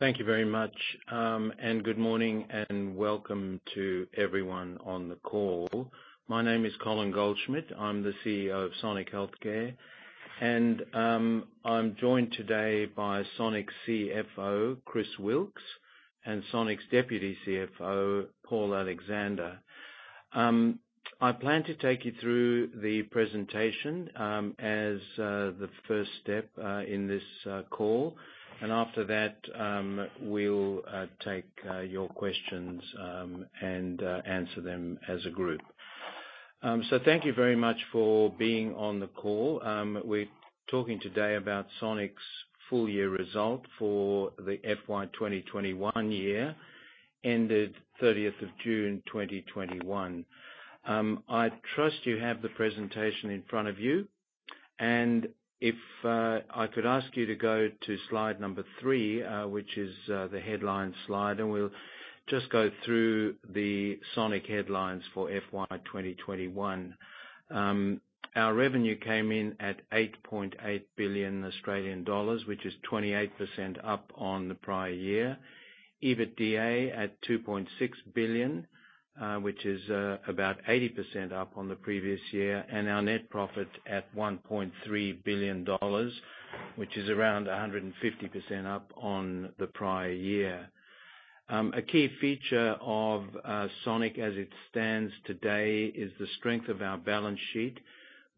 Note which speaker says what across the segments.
Speaker 1: Thank you very much, and good morning, and welcome to everyone on the call. My name is Colin Goldschmidt. I'm the CEO of Sonic Healthcare. I'm joined today by Sonic's CFO, Chris Wilks, and Sonic's Deputy CFO, Paul Alexander. I plan to take you through the presentation as the first step in this call. After that, we'll take your questions and answer them as a group. Thank you very much for being on the call. We're talking today about Sonic's full year result for the FY 2021 year, ended 30th of June 2021. I trust you have the presentation in front of you. If I could ask you to go to slide number 3, which is the headlines slide, and we'll just go through the Sonic headlines for FY 2021. Our revenue came in at 8.8 billion Australian dollars, which is 28% up on the prior year. EBITDA at 2.6 billion, which is about 80% up on the previous year. Our net profit at 1.3 billion dollars, which is around 150% up on the prior year. A key feature of Sonic as it stands today is the strength of our balance sheet,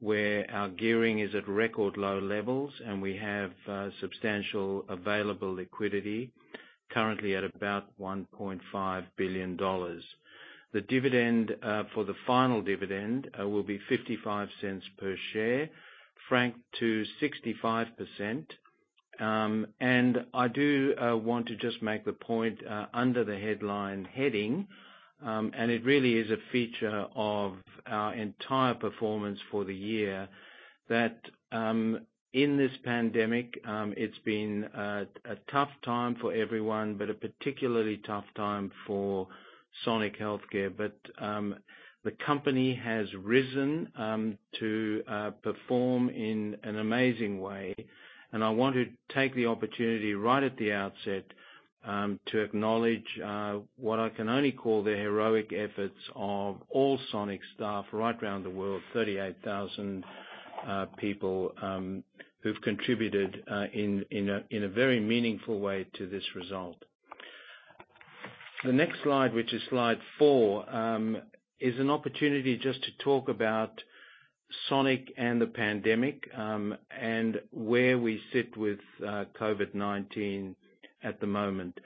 Speaker 1: where our gearing is at record low levels, and we have substantial available liquidity currently at about 1.5 billion dollars. The dividend for the final dividend will be 0.55 per share, franked to 65%. I do want to just make the point under the headline heading, and it really is a feature of our entire performance for the year, that in this pandemic, it's been a tough time for everyone, but a particularly tough time for Sonic Healthcare. The company has risen to perform in an amazing way, and I want to take the opportunity right at the outset to acknowledge what I can only call the heroic efforts of all Sonic staff right around the world, 38,000 people who've contributed in a very meaningful way to this result. The next slide, which is slide 4, is an opportunity just to talk about Sonic and the pandemic, and where we sit with COVID-19 at the moment.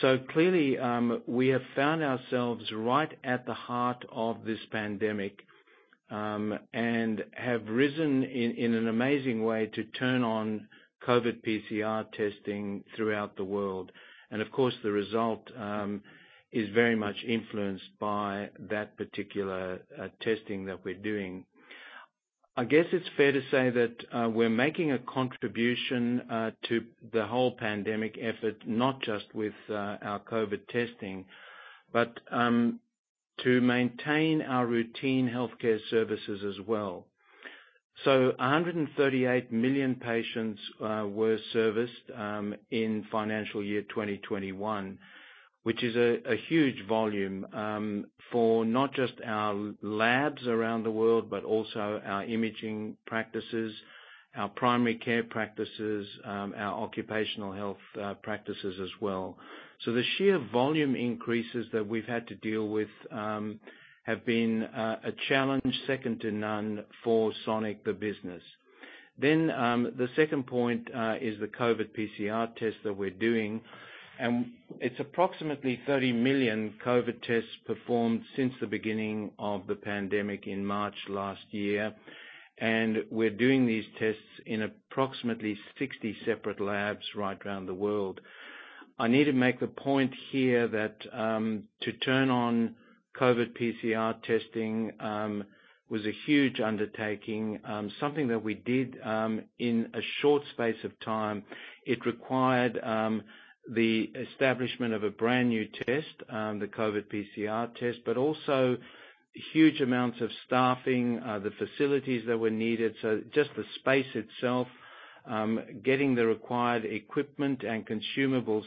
Speaker 1: Clearly, we have found ourselves right at the heart of this pandemic, and have risen in an amazing way to turn on COVID PCR testing throughout the world. Of course, the result is very much influenced by that particular testing that we're doing. I guess it's fair to say that we're making a contribution to the whole pandemic effort, not just with our COVID testing, but to maintain our routine healthcare services as well. 138 million patients were serviced in financial year 2021, which is a huge volume, for not just our labs around the world, but also our imaging practices, our primary care practices, our occupational health practices as well. The sheer volume increases that we've had to deal with have been a challenge second to none for Sonic the business. The second point is the COVID PCR test that we're doing, it's approximately 30 million COVID tests performed since the beginning of the pandemic in March last year. We're doing these tests in approximately 60 separate labs right around the world. I need to make the point here that to turn on COVID PCR testing was a huge undertaking, something that we did in a short space of time. It required the establishment of a brand-new test, the COVID PCR test, but also huge amounts of staffing, the facilities that were needed. Just the space itself, getting the required equipment and consumables.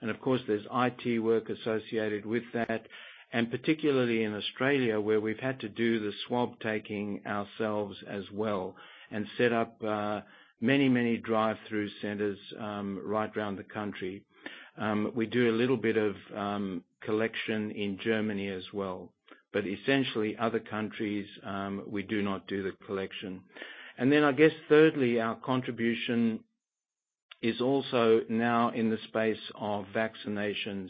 Speaker 1: Of course, there's IT work associated with that, and particularly in Australia, where we've had to do the swab taking ourselves as well and set up many drive-through centers right around the country. We do a little bit of collection in Germany as well. Essentially other countries, we do not do the collection. Then, I guess thirdly, our contribution is also now in the space of vaccinations.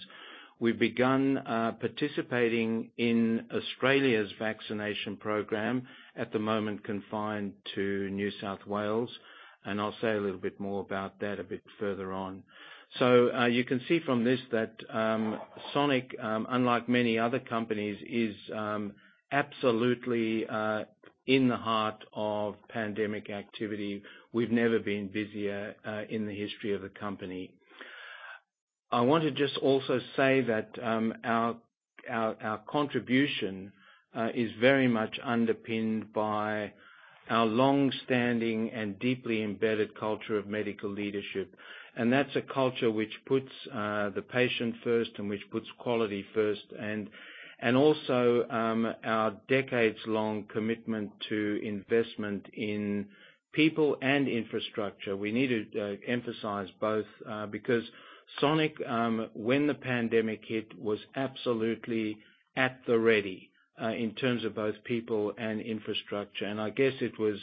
Speaker 1: We've begun participating in Australia's vaccination program, at the moment confined to New South Wales, and I'll say a little bit more about that a bit further on. You can see from this that Sonic, unlike many other companies, is absolutely in the heart of pandemic activity. We've never been busier in the history of the company. I want to just also say that our contribution is very much underpinned by our longstanding and deeply embedded culture of medical leadership. That's a culture which puts the patient first and which puts quality first. Also our decades long commitment to investment in people and infrastructure. We need to emphasize both because Sonic, when the pandemic hit, was absolutely at the ready in terms of both people and infrastructure. I guess it was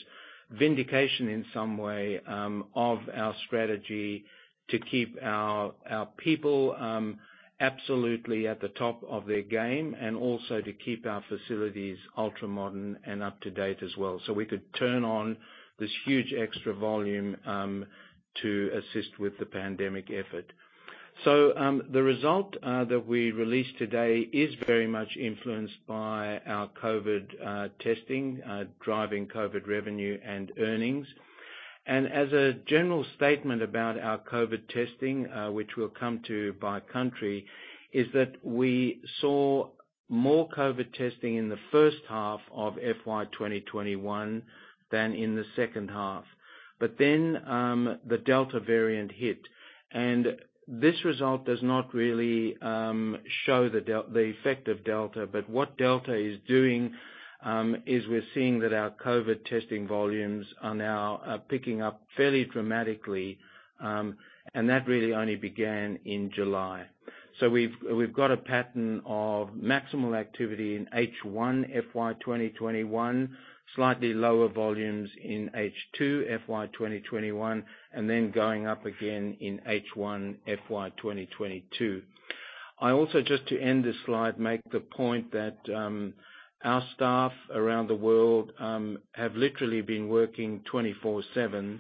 Speaker 1: vindication in some way of our strategy to keep our people absolutely at the top of their game, and also to keep our facilities ultra-modern and up to date as well. We could turn on this huge extra volume to assist with the pandemic effort. The result that we released today is very much influenced by our COVID testing, driving COVID revenue and earnings. As a general statement about our COVID testing, which we'll come to by country, is that we saw more COVID testing in the first half of FY 2021 than in the second half. The Delta variant hit, and this result does not really show the effect of Delta. What Delta is doing is we're seeing that our COVID testing volumes are now picking up fairly dramatically, and that really only began in July. We've got a pattern of maximal activity in H1 FY 2021, slightly lower volumes in H2 FY 2021, and then going up again in H1 FY 2022. I also, just to end this slide, make the point that our staff around the world have literally been working 24/7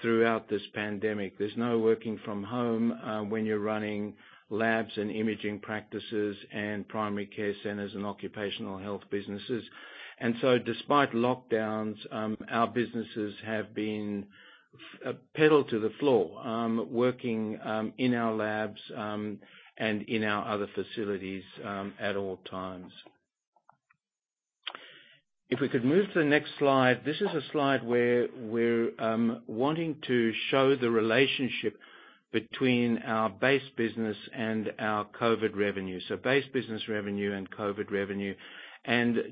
Speaker 1: throughout this pandemic. There's no working from home when you're running labs and imaging practices and primary care centers and occupational health businesses. Despite lockdowns, our businesses have been pedal to the floor, working in our labs and in our other facilities at all times. If we could move to the next slide. This is a slide where we're wanting to show the relationship between our base business and our COVID revenue. Base business revenue and COVID revenue.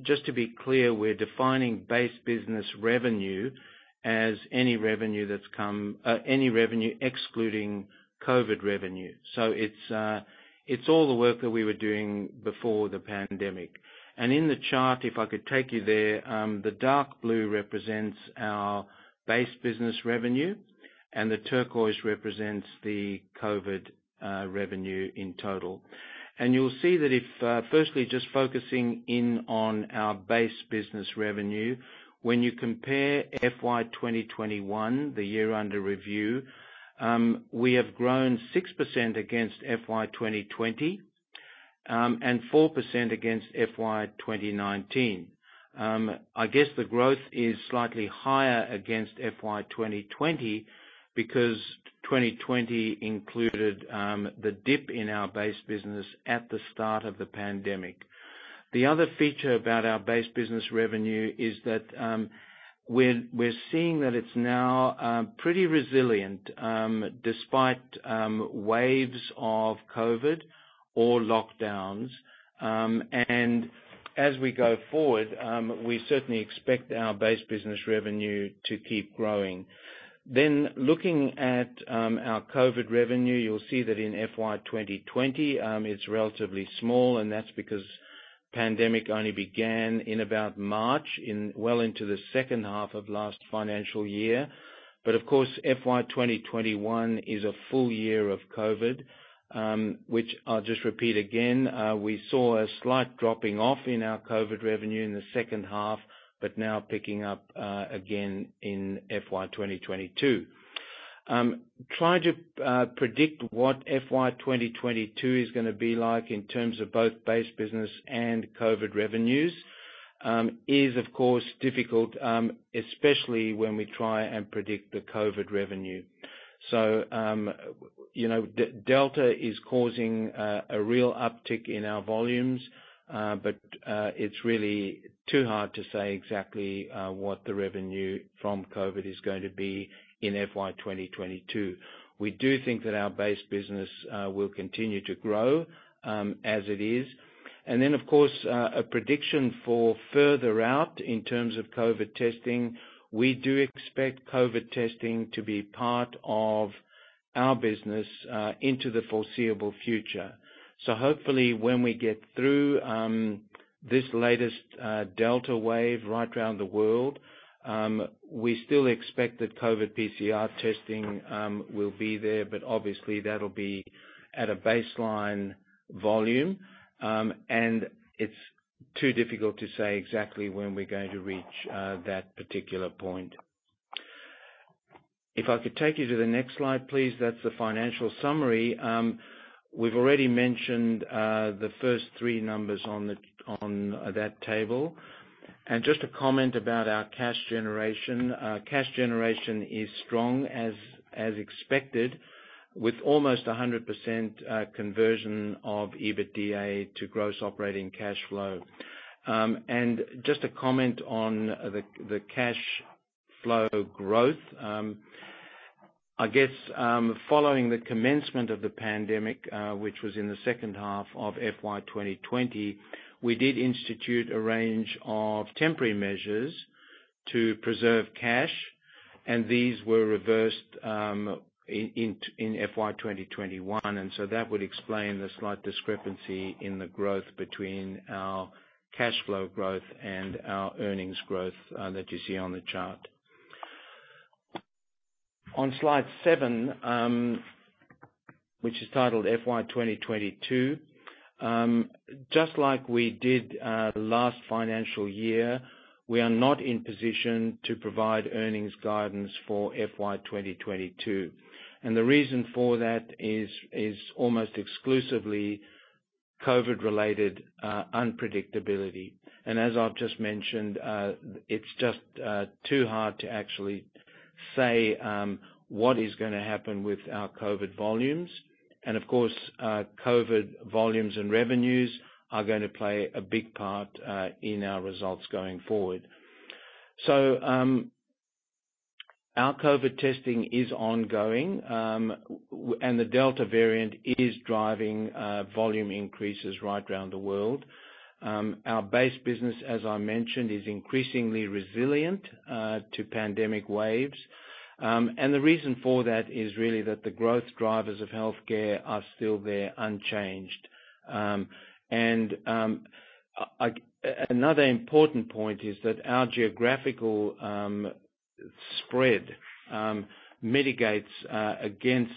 Speaker 1: Just to be clear, we're defining base business revenue as any revenue excluding COVID revenue. It's all the work that we were doing before the pandemic. In the chart, if I could take you there, the dark blue represents our base business revenue, and the turquoise represents the COVID revenue in total. You'll see that if, firstly, just focusing in on our base business revenue, when you compare FY 2021, the year under review, we have grown 6% against FY 2020, and 4% against FY 2019. I guess the growth is slightly higher against FY 2020 because 2020 included the dip in our base business at the start of the pandemic. The other feature about our base business revenue is that we're seeing that it's now pretty resilient despite waves of COVID or lockdowns. As we go forward, we certainly expect our base business revenue to keep growing. Looking at our COVID revenue, you'll see that in FY 2020, it's relatively small, and that's because pandemic only began in about March, well into the second half of last financial year. Of course, FY 2021 is a full year of COVID, which I'll just repeat again, we saw a slight dropping off in our COVID revenue in the second half, but now picking up again in FY 2022. Trying to predict what FY 2022 is going to be like in terms of both base business and COVID revenues is, of course, difficult, especially when we try and predict the COVID revenue. Delta is causing a real uptick in our volumes, but it's really too hard to say exactly what the revenue from COVID is going to be in FY 2022. We do think that our base business will continue to grow as it is. Then, of course, a prediction for further out in terms of COVID testing. We do expect COVID testing to be part of our business into the foreseeable future. Hopefully when we get through this latest Delta wave right around the world, we still expect that COVID PCR testing will be there, but obviously that'll be at a baseline volume. It's too difficult to say exactly when we're going to reach that particular point. If I could take you to the next slide, please. That's the financial summary. We've already mentioned the first three numbers on that table. Just a comment about our cash generation. Cash generation is strong as expected with almost 100% conversion of EBITDA to gross operating cash flow. Just a comment on the cash flow growth. I guess following the commencement of the pandemic, which was in the second half of FY 2020, we did institute a range of temporary measures to preserve cash. These were reversed in FY 2021. That would explain the slight discrepancy in the growth between our cash flow growth and our earnings growth that you see on the chart. On slide 7, which is titled FY 2022, just like we did the last financial year, we are not in position to provide earnings guidance for FY 2022. The reason for that is almost exclusively COVID-related unpredictability. As I've just mentioned, it's just too hard to actually say what is going to happen with our COVID volumes. Of course, COVID volumes and revenues are going to play a big part in our results going forward. Our COVID testing is ongoing, and the Delta variant is driving volume increases right around the world. Our base business, as I mentioned, is increasingly resilient to pandemic waves. The reason for that is really that the growth drivers of healthcare are still there unchanged. Another important point is that our geographical spread mitigates against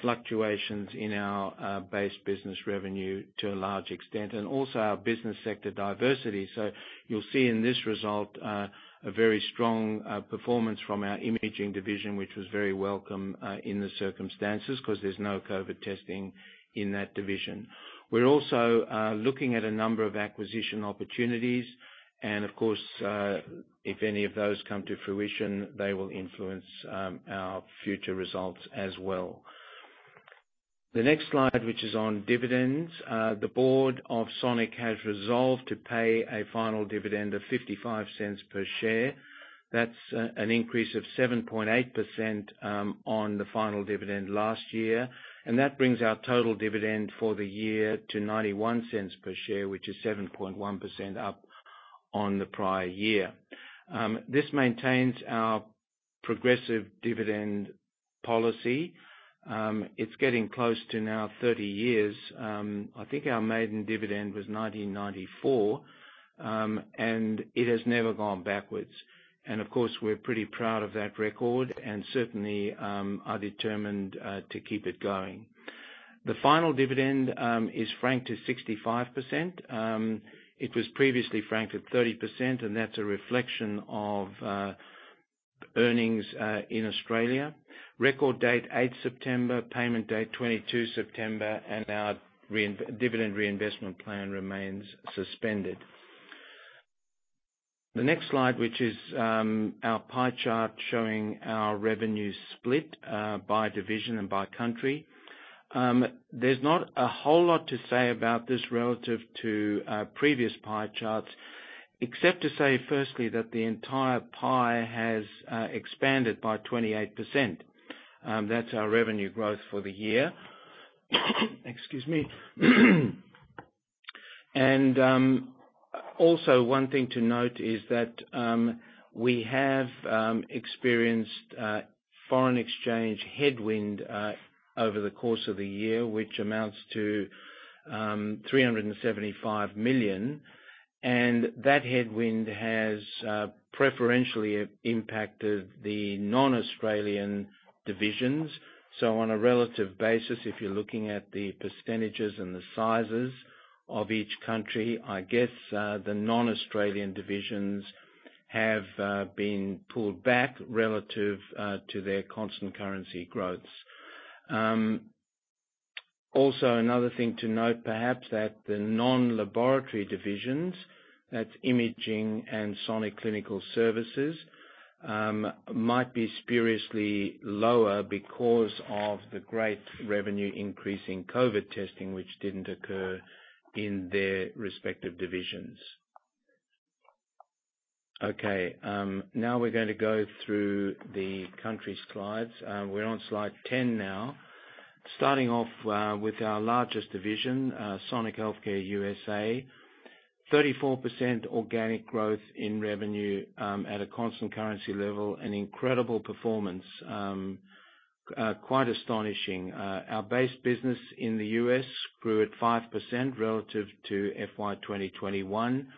Speaker 1: fluctuations in our base business revenue to a large extent, and also our business sector diversity. You'll see in this result a very strong performance from our imaging division, which was very welcome in the circumstances because there's no COVID testing in that division. We're also looking at a number of acquisition opportunities, and of course, if any of those come to fruition, they will influence our future results as well. The next slide, which is on dividends. The board of Sonic has resolved to pay a final dividend of 0.55 per share. That's an increase of 7.8% on the final dividend last year. That brings our total dividend for the year to 0.91 per share, which is 7.1% up on the prior year. This maintains our progressive dividend policy. It's getting close to now 30 years. I think our maiden dividend was 1994. It has never gone backwards. Of course, we're pretty proud of that record and certainly are determined to keep it going. The final dividend is franked to 65%. It was previously franked at 30%. That's a reflection of earnings in Australia. Record date, 8 September. Payment date, 22 September. Our dividend reinvestment plan remains suspended. The next slide, which is our pie chart showing our revenue split by division and by country. There's not a whole lot to say about this relative to previous pie charts, except to say, firstly, that the entire pie has expanded by 28%. That's our revenue growth for the year. Excuse me. Also one thing to note is that we have experienced foreign exchange headwind over the course of the year, which amounts to 375 million. That headwind has preferentially impacted the non-Australian divisions. On a relative basis, if you're looking at the percentages and the sizes of each country, I guess the non-Australian divisions have been pulled back relative to their constant currency growths. Another thing to note perhaps, that the non-laboratory divisions, that's imaging and Sonic Clinical Services, might be spuriously lower because of the great revenue increase in COVID testing, which didn't occur in their respective divisions. Okay. Now we're going to go through the country slides. We're on slide 10 now. Starting off with our largest division, Sonic Healthcare USA. 34% organic growth in revenue, at a constant currency level. An incredible performance. Quite astonishing. Our base business in the U.S. grew at 5% relative to FY 2021.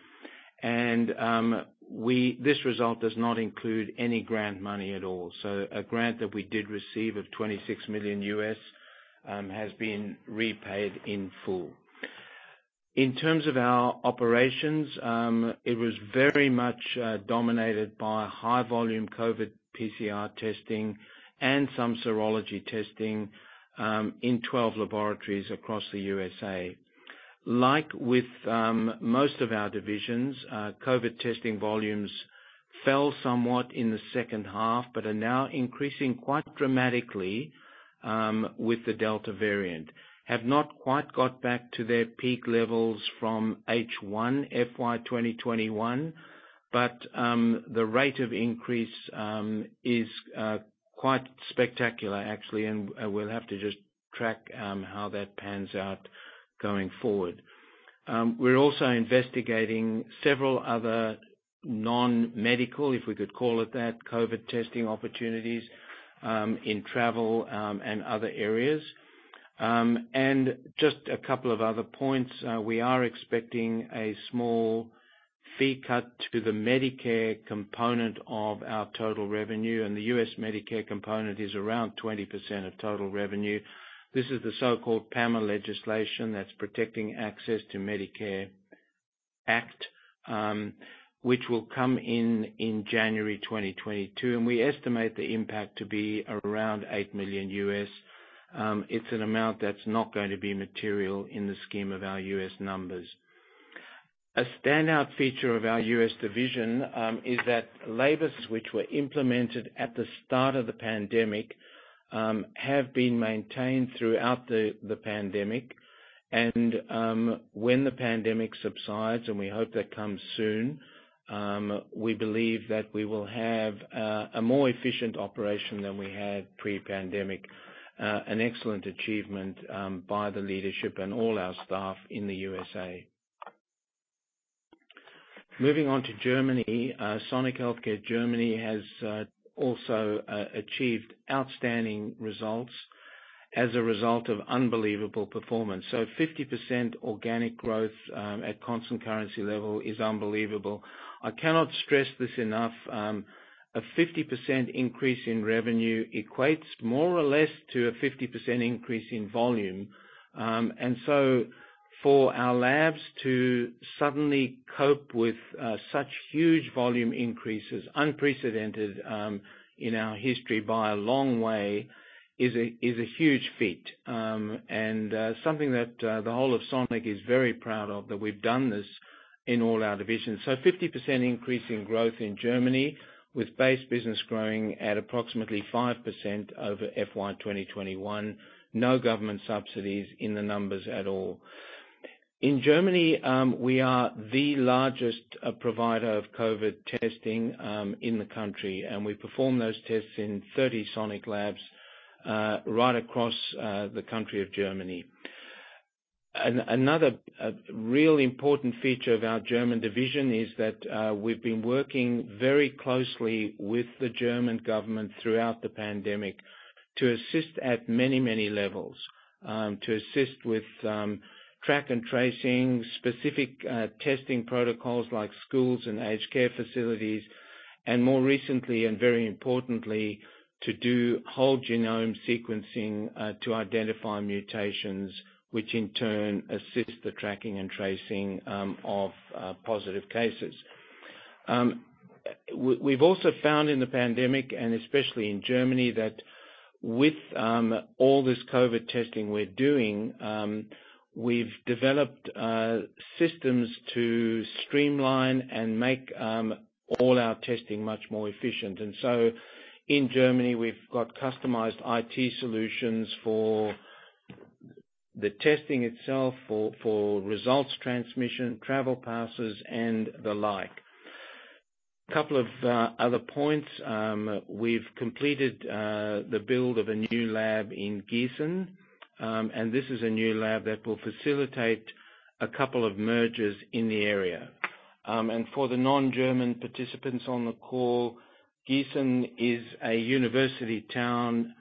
Speaker 1: This result does not include any grant money at all. A grant that we did receive of $26 million U.S. has been repaid in full. In terms of our operations, it was very much dominated by high volume COVID PCR testing and some serology testing in 12 laboratories across the U.S.A. Like with most of our divisions, COVID testing volumes fell somewhat in the second half, but are now increasing quite dramatically with the Delta variant. Have not quite got back to their peak levels from H1 FY 2021. The rate of increase is quite spectacular actually. We'll have to just track how that pans out going forward. We're also investigating several other non-medical, if we could call it that, COVID testing opportunities in travel and other areas. Just a couple of other points. We are expecting a small fee cut to the Medicare component of our total revenue. The U.S. Medicare component is around 20% of total revenue. This is the so-called PAMA legislation that's Protecting Access to Medicare Act, which will come in in January 2022. We estimate the impact to be around $8 million. It's an amount that's not going to be material in the scheme of our U.S. numbers. A standout feature of our U.S. division is that labors which were implemented at the start of the pandemic have been maintained throughout the pandemic. When the pandemic subsides, and we hope that comes soon, we believe that we will have a more efficient operation than we had pre-pandemic. An excellent achievement by the leadership and all our staff in the U.S.A. Moving on to Germany. Sonic Healthcare Germany has also achieved outstanding results as a result of unbelievable performance. 50% organic growth at constant currency level is unbelievable. I cannot stress this enough. A 50% increase in revenue equates more or less to a 50% increase in volume. For our labs to suddenly cope with such huge volume increases, unprecedented in our history by a long way, is a huge feat. Something that the whole of Sonic is very proud of, that we've done this in all our divisions. 50% increase in growth in Germany, with base business growing at approximately 5% over FY 2021. No government subsidies in the numbers at all. In Germany, we are the largest provider of COVID testing in the country, and we perform those tests in 30 Sonic labs right across the country of Germany. Another really important feature of our German division is that we've been working very closely with the German government throughout the pandemic to assist at many, many levels, to assist with track and tracing specific testing protocols like schools and aged care facilities, and more recently, and very importantly, to do whole genome sequencing to identify mutations, which in turn assists the tracking and tracing of positive cases. We've also found in the pandemic, and especially in Germany, that with all this COVID testing we're doing, we've developed systems to streamline and make all our testing much more efficient. In Germany, we've got customized IT solutions for the testing itself, for results transmission, travel passes and the like. Couple of other points. We've completed the build of a new lab in Gießen, and this is a new lab that will facilitate a couple of mergers in the area. For the non-German participants on the call, Gießen is a university town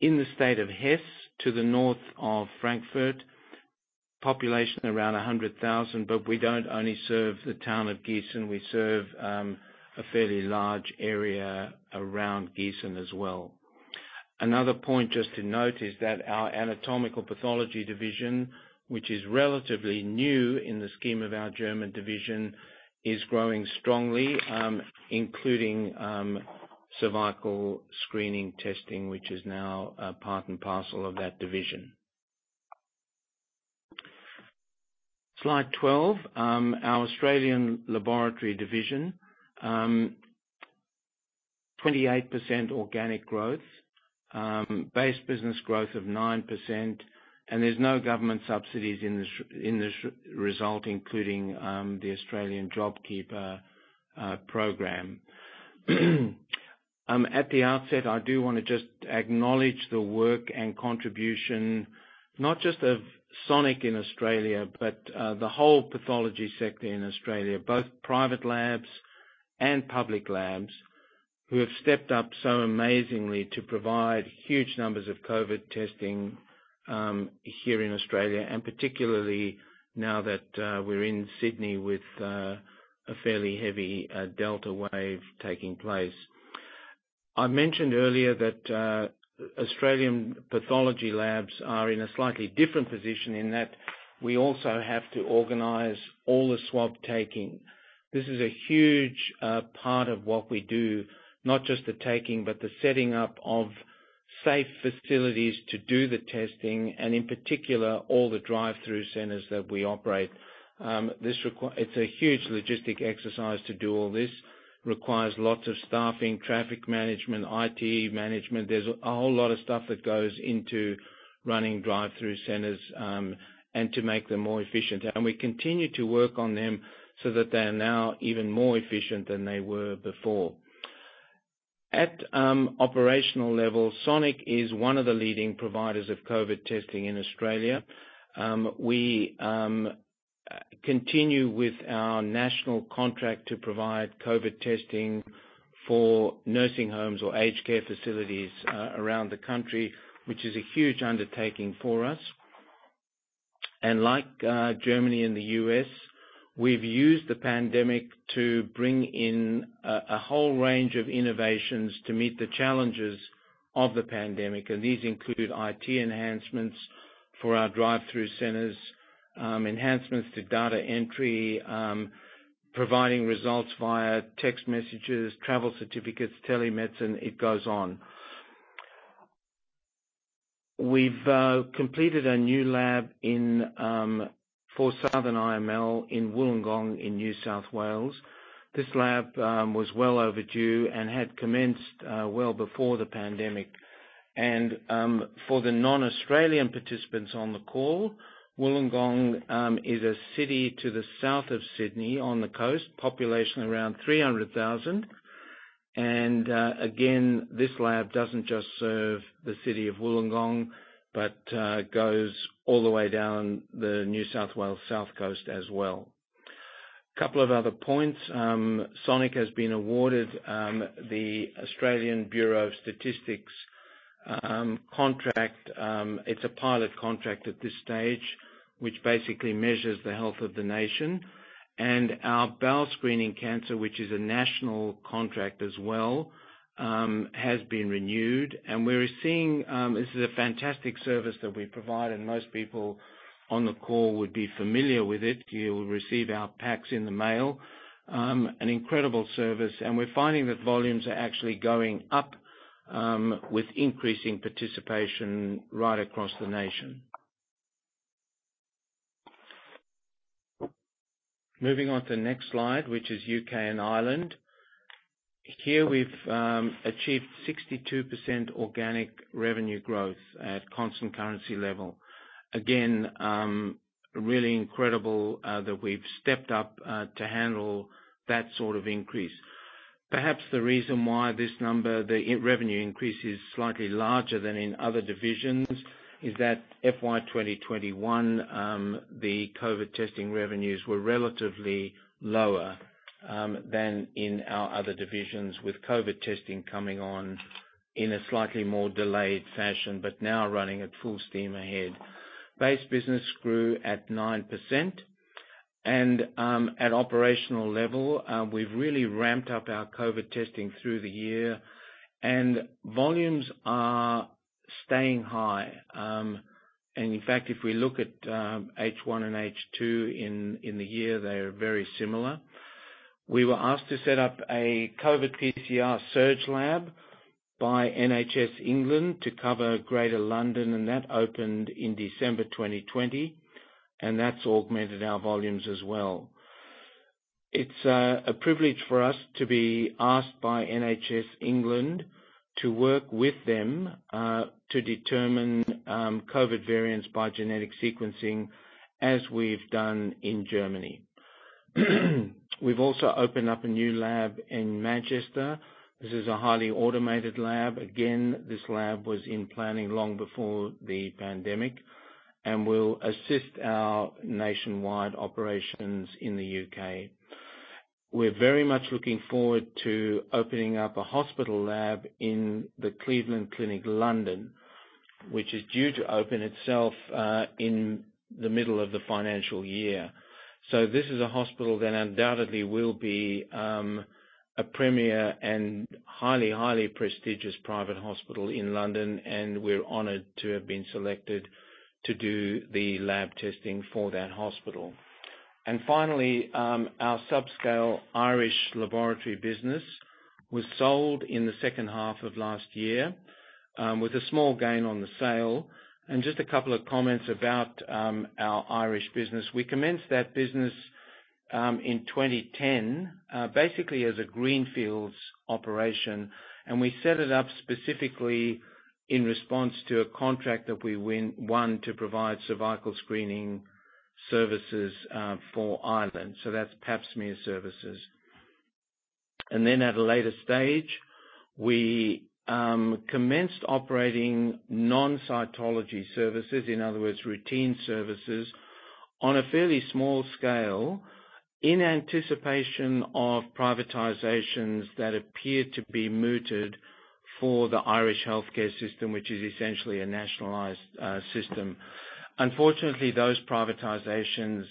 Speaker 1: in the state of Hesse to the north of Frankfurt, population around 100,000. We don't only serve the town of Gießen, we serve a fairly large area around Gießen as well. Another point just to note is that our anatomical pathology division, which is relatively new in the scheme of our Sonic Healthcare Germany division, is growing strongly, including cervical screening testing, which is now part and parcel of that division. Slide 12. Our Australian laboratory division. 28% organic growth. Base business growth of 9%. There's no government subsidies in this result, including the Australian JobKeeper program. At the outset, I do want to just acknowledge the work and contribution, not just of Sonic Healthcare in Australia, but the whole pathology sector in Australia, both private labs and public labs, who have stepped up so amazingly to provide huge numbers of COVID testing here in Australia, and particularly now that we're in Sydney with a fairly heavy Delta wave taking place. I mentioned earlier that Australian pathology labs are in a slightly different position in that we also have to organize all the swab taking. This is a huge part of what we do, not just the taking, but the setting up of safe facilities to do the testing, and in particular, all the drive-through centers that we operate. It's a huge logistic exercise to do all this. Requires lots of staffing, traffic management, IT management. There's a whole lot of stuff that goes into running drive-through centers, and to make them more efficient. We continue to work on them so that they are now even more efficient than they were before. At operational level, Sonic is one of the leading providers of COVID testing in Australia. We continue with our national contract to provide COVID testing for nursing homes or aged care facilities around the country, which is a huge undertaking for us. Like Germany and the U.S., we've used the pandemic to bring in a whole range of innovations to meet the challenges of the pandemic, and these include IT enhancements for our drive-through centers, enhancements to data entry, providing results via text messages, travel certificates, telemedicine. It goes on. We've completed a new lab for Southern IML in Wollongong in New South Wales. This lab was well overdue and had commenced well before the pandemic. For the non-Australian participants on the call, Wollongong is a city to the south of Sydney on the coast, population around 300,000. Again, this lab doesn't just serve the city of Wollongong, but goes all the way down the New South Wales South Coast as well. Couple of other points. Sonic has been awarded the Australian Bureau of Statistics contract. It's a pilot contract at this stage, which basically measures the health of the nation. Our bowel screening cancer, which is a national contract as well, has been renewed. We're seeing this is a fantastic service that we provide, and most people on the call would be familiar with it. You'll receive our packs in the mail. An incredible service. We're finding that volumes are actually going up with increasing participation right across the nation. Moving on to the next slide, which is U.K. and Ireland. Here we've achieved 62% organic revenue growth at constant currency level. Again, really incredible that we've stepped up to handle that sort of increase. Perhaps the reason why this number, the revenue increase, is slightly larger than in other divisions is that FY 2021, the COVID testing revenues were relatively lower than in our other divisions, with COVID testing coming on in a slightly more delayed fashion, but now running at full steam ahead. Base business grew at 9%, and at operational level, we've really ramped up our COVID testing through the year, and volumes are staying high. In fact, if we look at H1 and H2 in the year, they are very similar. We were asked to set up a COVID PCR surge lab by NHS England to cover Greater London, and that opened in December 2020, and that's augmented our volumes as well. It's a privilege for us to be asked by NHS England to work with them, to determine COVID variants by genetic sequencing, as we've done in Germany. We've also opened up a new lab in Manchester. This is a highly automated lab. Again, this lab was in planning long before the pandemic and will assist our nationwide operations in the U.K. We're very much looking forward to opening up a hospital lab in the Cleveland Clinic London, which is due to open itself in the middle of the financial year. This is a hospital that undoubtedly will be a premier and highly prestigious private hospital in London, and we're honored to have been selected to do the lab testing for that hospital. Finally, our subscale Irish laboratory business was sold in the second half of last year, with a small gain on the sale. Just a couple of comments about our Irish business. We commenced that business in 2010, basically as a greenfields operation. We set it up specifically in response to a contract that we won to provide cervical screening services for Ireland, so that's Pap smear services. At a later stage, we commenced operating non-cytology services, in other words, routine services, on a fairly small scale in anticipation of privatizations that appeared to be mooted for the Irish healthcare system, which is essentially a nationalized system. Unfortunately, those privatizations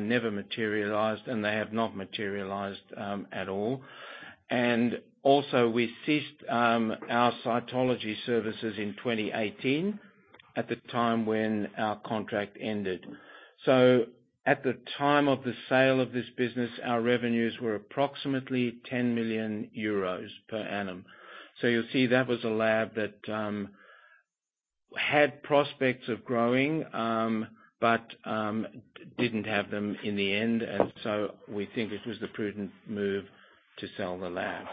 Speaker 1: never materialized, and they have not materialized at all. Also, we ceased our cytology services in 2018. At the time when our contract ended. At the time of the sale of this business, our revenues were approximately 10 million euros per annum. You'll see that was a lab that had prospects of growing, but didn't have them in the end. We think it was the prudent move to sell the lab.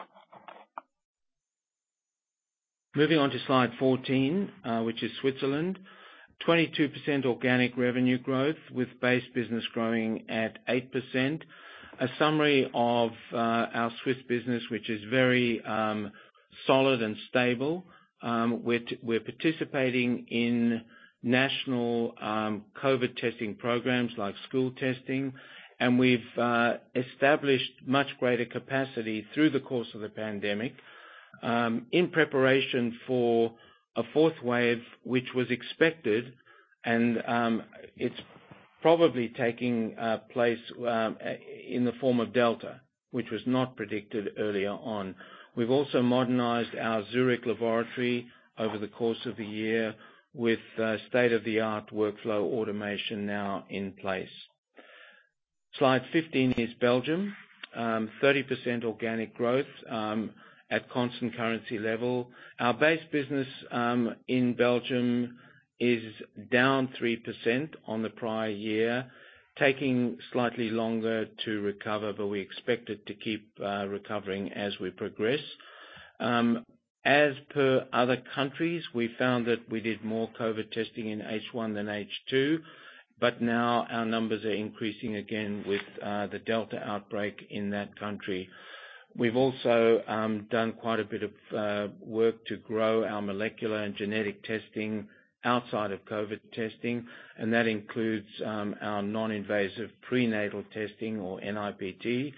Speaker 1: Moving on to slide 14, which is Switzerland. 22% organic revenue growth with base business growing at 8%. A summary of our Swiss business, which is very solid and stable. We're participating in national COVID testing programs like school testing, and we've established much greater capacity through the course of the pandemic, in preparation for a fourth wave, which was expected and it's probably taking place in the form of Delta, which was not predicted earlier on. We've also modernized our Zurich laboratory over the course of the year with state-of-the-art workflow automation now in place. Slide 15 is Belgium. 30% organic growth, at constant currency level. Our base business in Belgium is down 3% on the prior year, taking slightly longer to recover. We expect it to keep recovering as we progress. As per other countries, we found that we did more COVID testing in H1 than H2. Now our numbers are increasing again with the Delta outbreak in that country. We've also done quite a bit of work to grow our molecular and genetic testing outside of COVID testing. That includes our non-invasive prenatal testing or NIPT.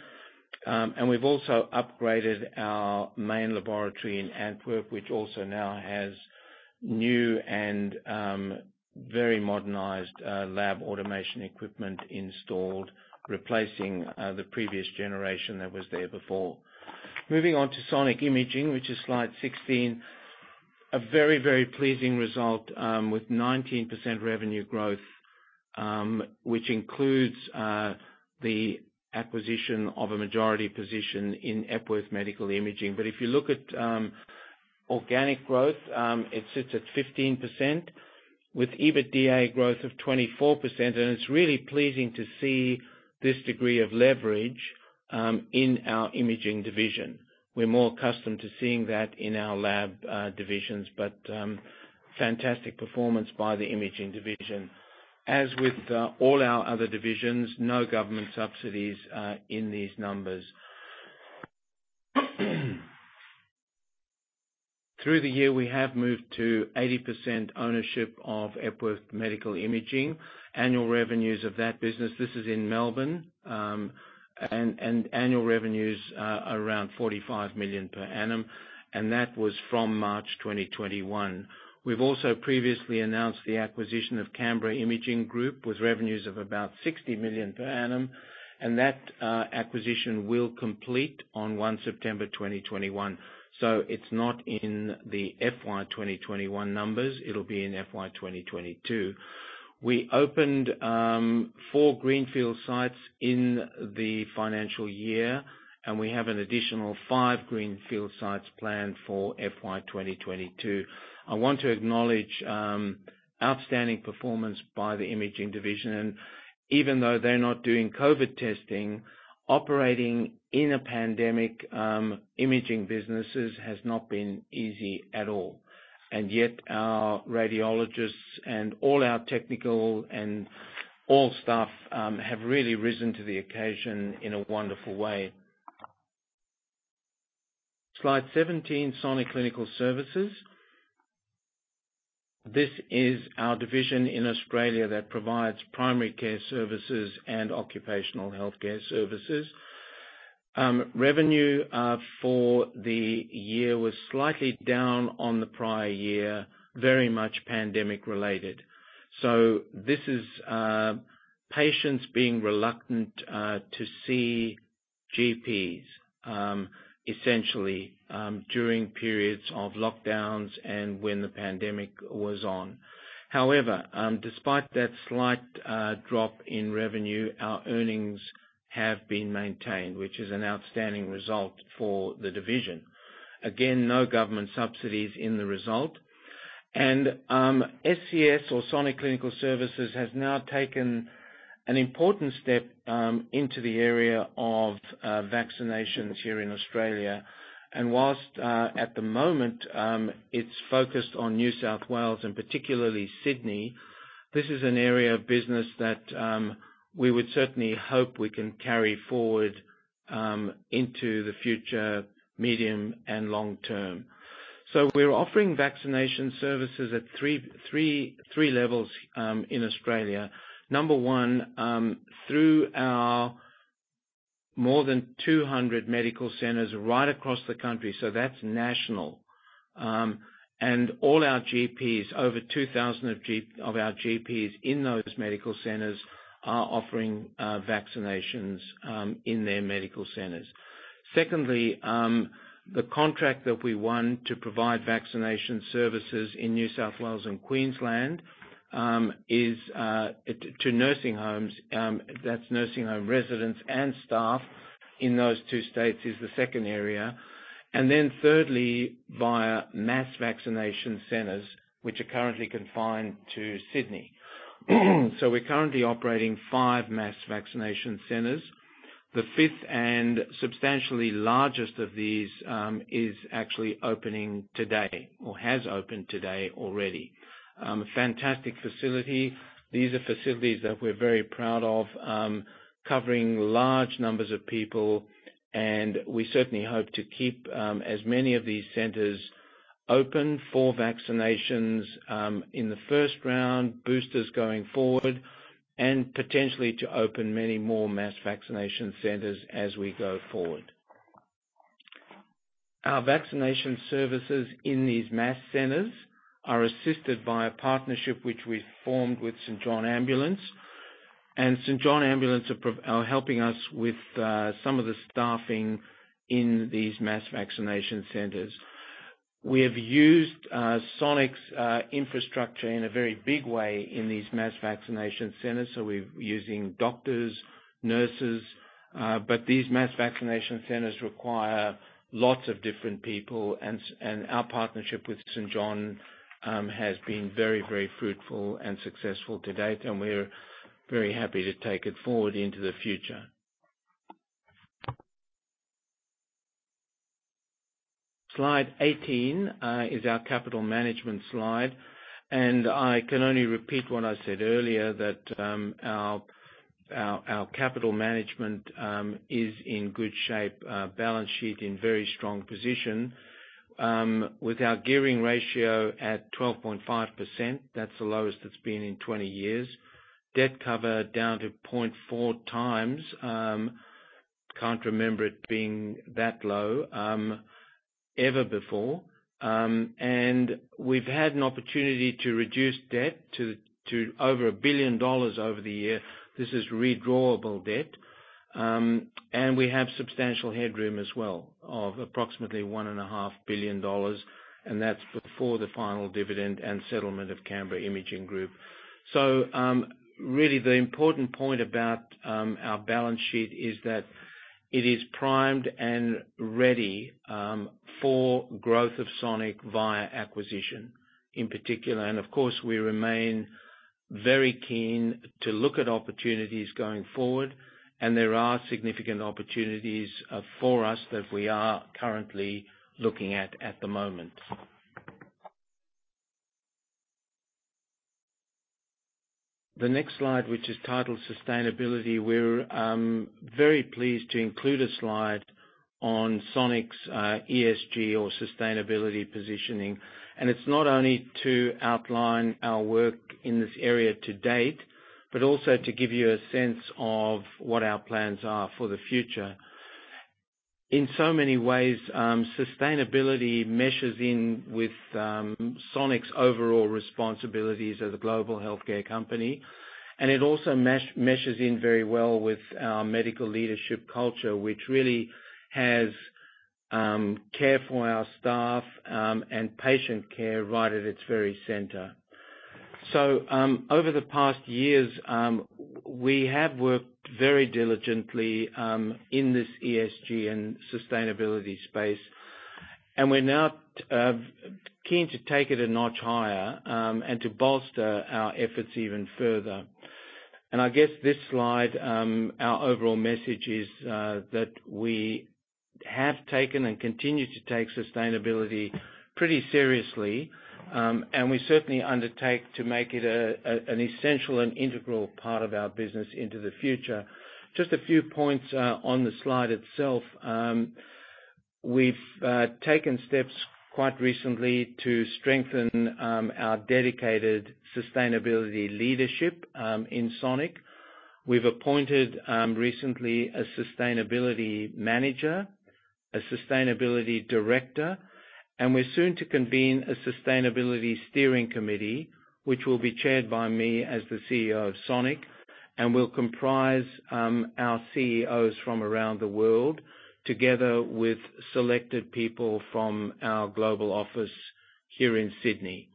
Speaker 1: We've also upgraded our main laboratory in Antwerp, which also now has new and very modernized lab automation equipment installed, replacing the previous generation that was there before. Moving on to Sonic Imaging, which is slide 16. A very pleasing result with 19% revenue growth, which includes the acquisition of a majority position in Epworth Medical Imaging. If you look at organic growth, it sits at 15% with EBITDA growth of 24%. It's really pleasing to see this degree of leverage in our imaging division. Fantastic performance by the imaging division. As with all our other divisions, no government subsidies in these numbers. Through the year, we have moved to 80% ownership of Epworth Medical Imaging. Annual revenues of that business, this is in Melbourne, annual revenues are around 45 million per annum, and that was from March 2021. We've also previously announced the acquisition of Canberra Imaging Group with revenues of about 60 million per annum, and that acquisition will complete on 1 September 2021. It's not in the FY 2021 numbers. It'll be in FY 2022. We opened four greenfield sites in the financial year, we have an additional five greenfield sites planned for FY 2022. I want to acknowledge outstanding performance by the imaging division, and even though they're not doing COVID testing, operating in a pandemic, imaging businesses has not been easy at all. Yet, our radiologists and all our technical and all staff have really risen to the occasion in a wonderful way. Slide 17, Sonic Clinical Services. This is our division in Australia that provides primary care services and occupational healthcare services. Revenue for the year was slightly down on the prior year, very much pandemic related. This is patients being reluctant to see GPs, essentially, during periods of lockdowns and when the pandemic was on. However, despite that slight drop in revenue, our earnings have been maintained, which is an outstanding result for the division. Again, no government subsidies in the result. SCS or Sonic Clinical Services has now taken an important step into the area of vaccinations here in Australia. Whilst at the moment it's focused on New South Wales and particularly Sydney, this is an area of business that we would certainly hope we can carry forward into the future, medium and long-term. We're offering vaccination services at three levels in Australia. Number one, through our more than 200 medical centers right across the country, so that's national. All our GPs, over 2,000 of our GPs in those medical centers are offering vaccinations in their medical centers. Secondly, the contract that we won to provide vaccination services in New South Wales and Queensland, to nursing homes, that's nursing home residents and staff in those two states, is the second area. Thirdly, via mass vaccination centers, which are currently confined to Sydney. We're currently operating five mass vaccination centers. The 5th and substantially largest of these is actually opening today or has opened today already. Fantastic facility. These are facilities that we're very proud of, covering large numbers of people, and we certainly hope to keep as many of these centers open for vaccinations in the first round, boosters going forward, and potentially to open many more mass vaccination centers as we go forward. Our vaccination services in these mass centers are assisted by a partnership which we've formed with St John Ambulance. St John Ambulance are helping us with some of the staffing in these mass vaccination centers. We have used Sonic's infrastructure in a very big way in these mass vaccination centers, so we're using doctors, nurses. These mass vaccination centers require lots of different people, and our partnership with St John has been very, very fruitful and successful to date, and we're very happy to take it forward into the future. Slide 18 is our capital management slide, and I can only repeat what I said earlier, that our capital management is in good shape, balance sheet in very strong position. With our gearing ratio at 12.5%, that's the lowest it's been in 20 years. Debt cover down to 0.4x. Can't remember it being that low ever before. We've had an opportunity to reduce debt to over 1 billion dollars over the year. This is redrawable debt. We have substantial headroom as well of approximately 1.5 billion dollars, and that's before the final dividend and settlement of Canberra Imaging Group. Really the important point about our balance sheet is that it is primed and ready for growth of Sonic via acquisition, in particular. Of course, we remain very keen to look at opportunities going forward, and there are significant opportunities for us that we are currently looking at the moment. The next slide, which is titled Sustainability, we're very pleased to include a slide on Sonic's ESG or sustainability positioning. It's not only to outline our work in this area to date, but also to give you a sense of what our plans are for the future. In so many ways, sustainability meshes in with Sonic's overall responsibilities as a global healthcare company, and it also meshes in very well with our medical leadership culture, which really has care for our staff, and patient care right at its very center. Over the past years, we have worked very diligently in this ESG and sustainability space, and we're now keen to take it a notch higher, and to bolster our efforts even further. I guess this slide, our overall message is that we have taken and continue to take sustainability pretty seriously. We certainly undertake to make it an essential and integral part of our business into the future. Just a few points on the slide itself. We've taken steps quite recently to strengthen our dedicated sustainability leadership in Sonic. We've appointed, recently, a sustainability manager, a sustainability director, and we're soon to convene a sustainability steering committee, which will be chaired by me as the CEO of Sonic, and will comprise our CEOs from around the world together with selected people from our global office here in Sydney.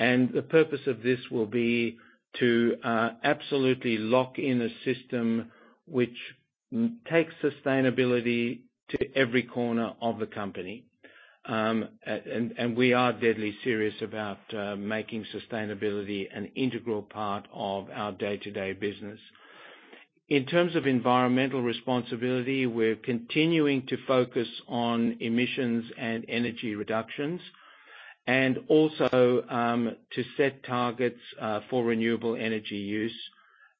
Speaker 1: The purpose of this will be to absolutely lock in a system which takes sustainability to every corner of the company. We are deadly serious about making sustainability an integral part of our day-to-day business. In terms of environmental responsibility, we're continuing to focus on emissions and energy reductions, and also to set targets for renewable energy use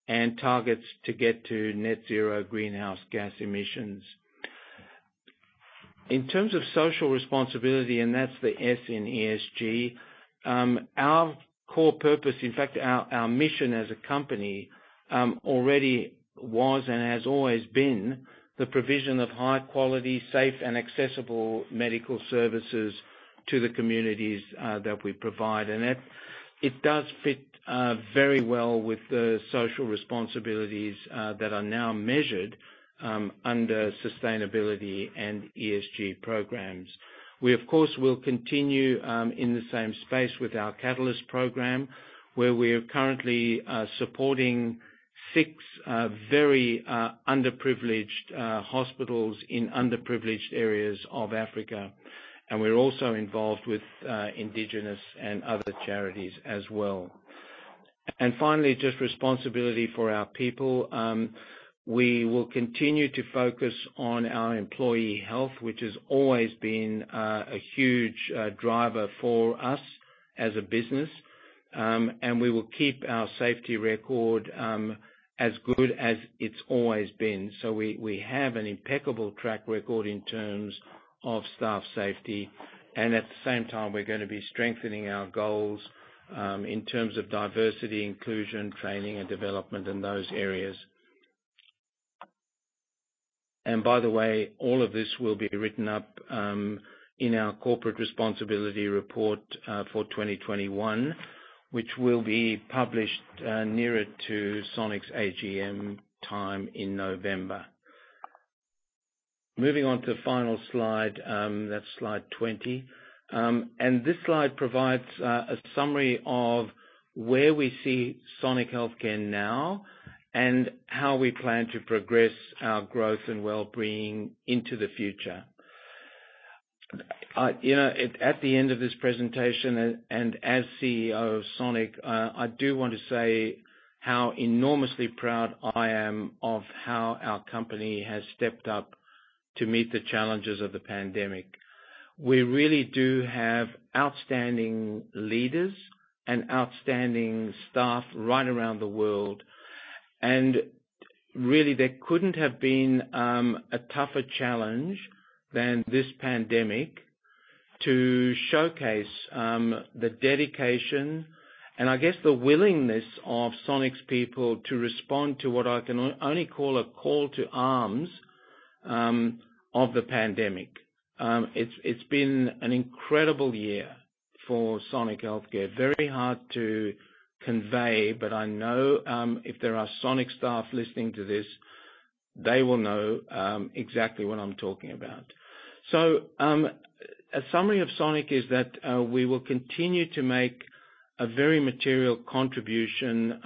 Speaker 1: and targets to get to net zero greenhouse gas emissions. In terms of social responsibility, and that's the S in ESG, our core purpose, in fact, our mission as a company already was and has always been the provision of high quality, safe, and accessible medical services to the communities that we provide. It does fit very well with the social responsibilities that are now measured under sustainability and ESG programs. We, of course, will continue in the same space with our Catalyst program, where we're currently supporting six very underprivileged hospitals in underprivileged areas of Africa, and we're also involved with indigenous and other charities as well. Finally, just responsibility for our people. We will continue to focus on our employee health, which has always been a huge driver for us as a business. We will keep our safety record as good as it's always been. We have an impeccable track record in terms of staff safety. At the same time, we're going to be strengthening our goals in terms of diversity, inclusion, training, and development in those areas. By the way, all of this will be written up in our corporate responsibility report for 2021, which will be published nearer to Sonic's AGM time in November. Moving on to the final slide, that's slide 20. This slide provides a summary of where we see Sonic Healthcare now and how we plan to progress our growth and wellbeing into the future. At the end of this presentation, as CEO of Sonic, I do want to say how enormously proud I am of how our company has stepped up to meet the challenges of the pandemic. We really do have outstanding leaders and outstanding staff right around the world, really, there couldn't have been a tougher challenge than this pandemic to showcase the dedication and I guess the willingness of Sonic's people to respond to what I can only call a call to arms of the pandemic. It's been an incredible year for Sonic Healthcare. Very hard to convey, but I know if there are Sonic staff listening to this, they will know exactly what I am talking about. A summary of Sonic is that we will continue to make a very material contribution,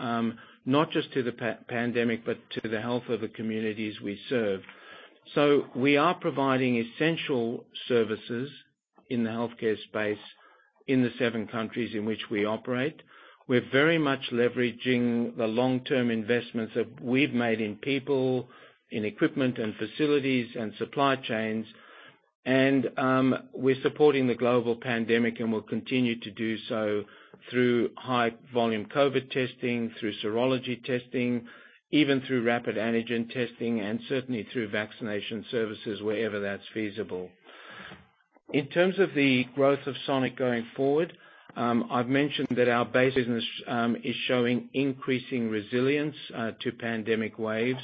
Speaker 1: not just to the pandemic, but to the health of the communities we serve. We are providing essential services in the healthcare space in the seven countries in which we operate. We are very much leveraging the long-term investments that we have made in people, in equipment and facilities, and supply chains. We are supporting the global pandemic, and will continue to do so through high volume COVID testing, through serology testing, even through rapid antigen testing, and certainly through vaccination services wherever that is feasible. In terms of the growth of Sonic going forward, I've mentioned that our base business is showing increasing resilience to pandemic waves,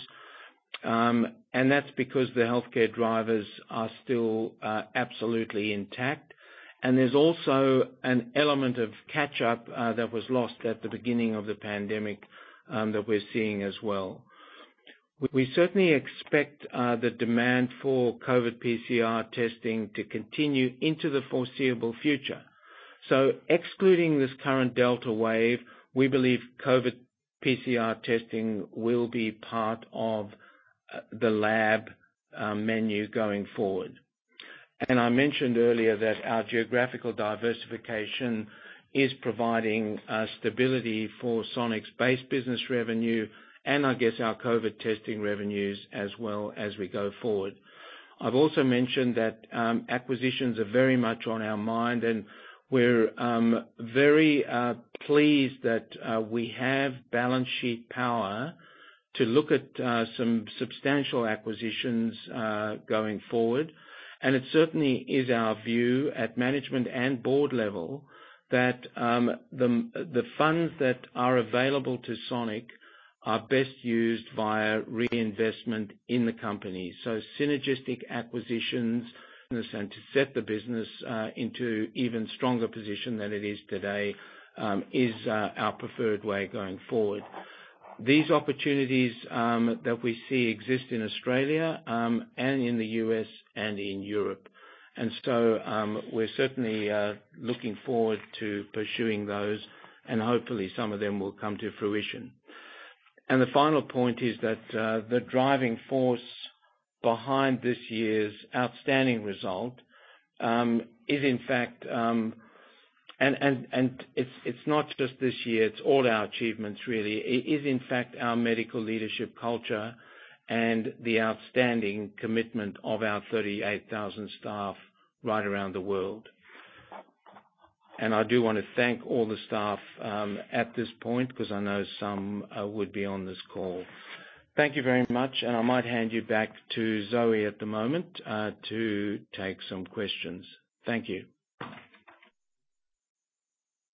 Speaker 1: that's because the healthcare drivers are still absolutely intact. There's also an element of catch-up that was lost at the beginning of the pandemic that we're seeing as well. We certainly expect the demand for COVID PCR testing to continue into the foreseeable future. Excluding this current Delta wave, we believe COVID PCR testing will be part of the lab menu going forward. I mentioned earlier that our geographical diversification is providing stability for Sonic's base business revenue and I guess our COVID testing revenues as well as we go forward. I've also mentioned that acquisitions are very much on our mind, we're very pleased that we have balance sheet power to look at some substantial acquisitions going forward. It certainly is our view at management and board level that the funds that are available to Sonic are best used via reinvestment in the company. Synergistic acquisitions and to set the business into even stronger position than it is today is our preferred way going forward. These opportunities that we see exist in Australia and in the U.S. and in Europe. We're certainly looking forward to pursuing those, and hopefully some of them will come to fruition. The final point is that the driving force behind this year's outstanding result. It's not just this year, it's all our achievements, really. It is in fact our medical leadership culture and the outstanding commitment of our 38,000 staff right around the world. I do want to thank all the staff at this point, because I know some would be on this call. Thank you very much, and I might hand you back to Zoe at the moment to take some questions. Thank you.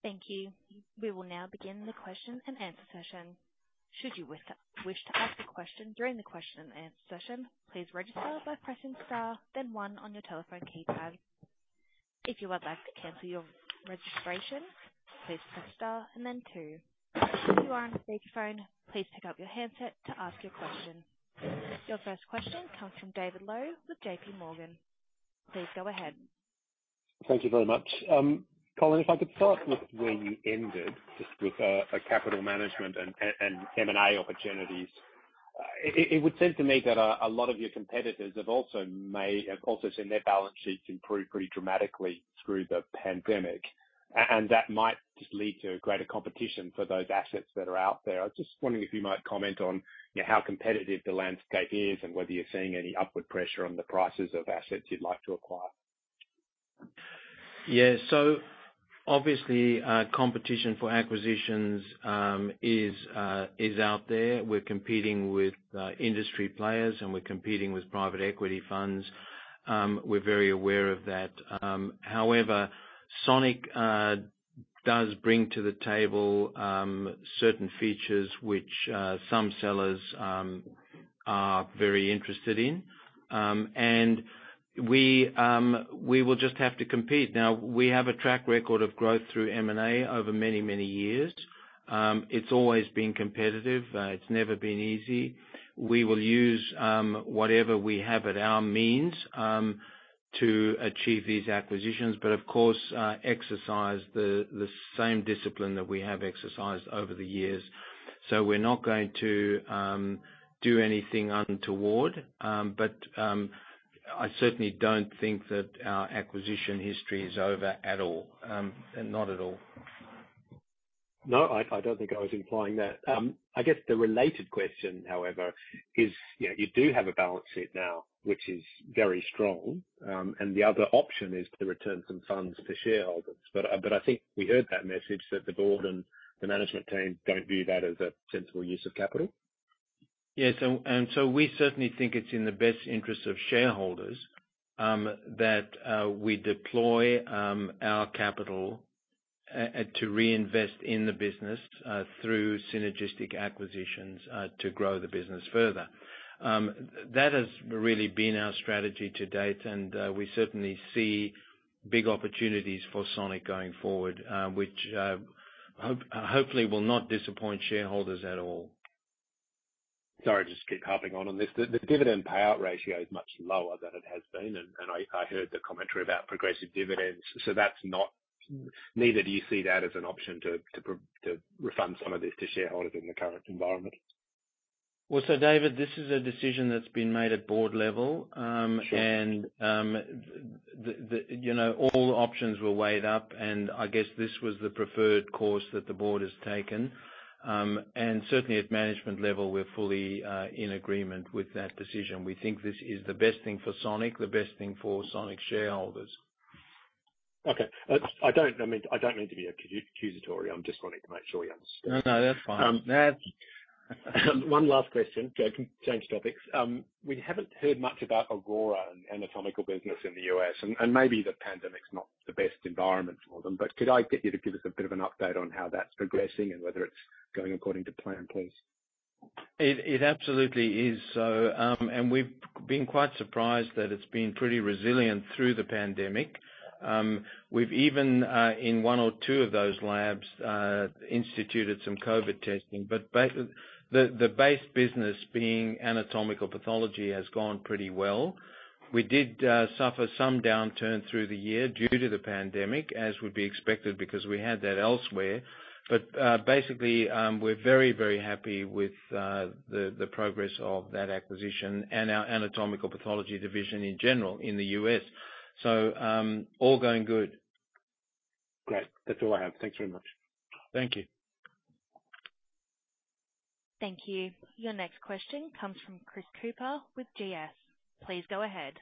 Speaker 2: Thank you. We will now begin the question and answer session. Should you wish to ask a question during the question and answer session, please register by pressing star, then one on your telephone keypad. If you would like to cancel your registration, please press star and then two. If you are on a speakerphone, please take out your handset to ask your question. Your first question comes from David Low with JPMorgan. Please go ahead.
Speaker 3: Thank you very much. Colin, if I could start with where you ended, just with capital management and M&A opportunities. It would seem to me that a lot of your competitors have also seen their balance sheets improve pretty dramatically through the pandemic, and that might just lead to greater competition for those assets that are out there. I was just wondering if you might comment on how competitive the landscape is and whether you're seeing any upward pressure on the prices of assets you'd like to acquire?
Speaker 1: Yeah. Obviously, competition for acquisitions is out there. We're competing with industry players, and we're competing with private equity funds. We're very aware of that. However, Sonic does bring to the table certain features which some sellers are very interested in. We will just have to compete. Now, we have a track record of growth through M&A over many, many years. It's always been competitive. It's never been easy. We will use whatever we have at our means to achieve these acquisitions. Of course, exercise the same discipline that we have exercised over the years. We're not going to do anything untoward. I certainly don't think that our acquisition history is over at all. Not at all.
Speaker 3: No, I don't think I was implying that. I guess the related question, however, is you do have a balance sheet now, which is very strong, and the other option is to return some funds to shareholders. I think we heard that message that the board and the management team don't view that as a sensible use of capital.
Speaker 1: Yes. We certainly think it's in the best interest of shareholders that we deploy our capital to reinvest in the business through synergistic acquisitions to grow the business further. That has really been our strategy to date, and we certainly see big opportunities for Sonic going forward, which hopefully will not disappoint shareholders at all.
Speaker 3: Sorry, just keep harping on this. The dividend payout ratio is much lower than it has been, and I heard the commentary about progressive dividends. Neither do you see that as an option to refund some of this to shareholders in the current environment?
Speaker 1: David, this is a decision that's been made at board level.
Speaker 3: Sure.
Speaker 1: All options were weighed up, and I guess this was the preferred course that the board has taken. Certainly at management level, we're fully in agreement with that decision. We think this is the best thing for Sonic, the best thing for Sonic shareholders.
Speaker 3: Okay. I don't mean to be accusatory. I'm just wanting to make sure we understand.
Speaker 1: No, that's fine.
Speaker 3: One last question. Going to change topics. We haven't heard much about Aurora anatomical pathology business in the U.S. Maybe the pandemic's not the best environment for them. Could I get you to give us a bit of an update on how that's progressing and whether it's going according to plan, please?
Speaker 1: It absolutely is so. We've been quite surprised that it's been pretty resilient through the pandemic. We've even, in one or two of those labs, instituted some COVID testing, but the base business being anatomical pathology has gone pretty well. We did suffer some downturn through the year due to the pandemic, as would be expected, because we had that elsewhere. Basically, we're very happy with the progress of that acquisition and our anatomical pathology division in general in the U.S. All going good.
Speaker 3: Great. That's all I have. Thank you very much.
Speaker 1: Thank you.
Speaker 2: Thank you. Your next question comes from Chris Cooper with GS. Please go ahead.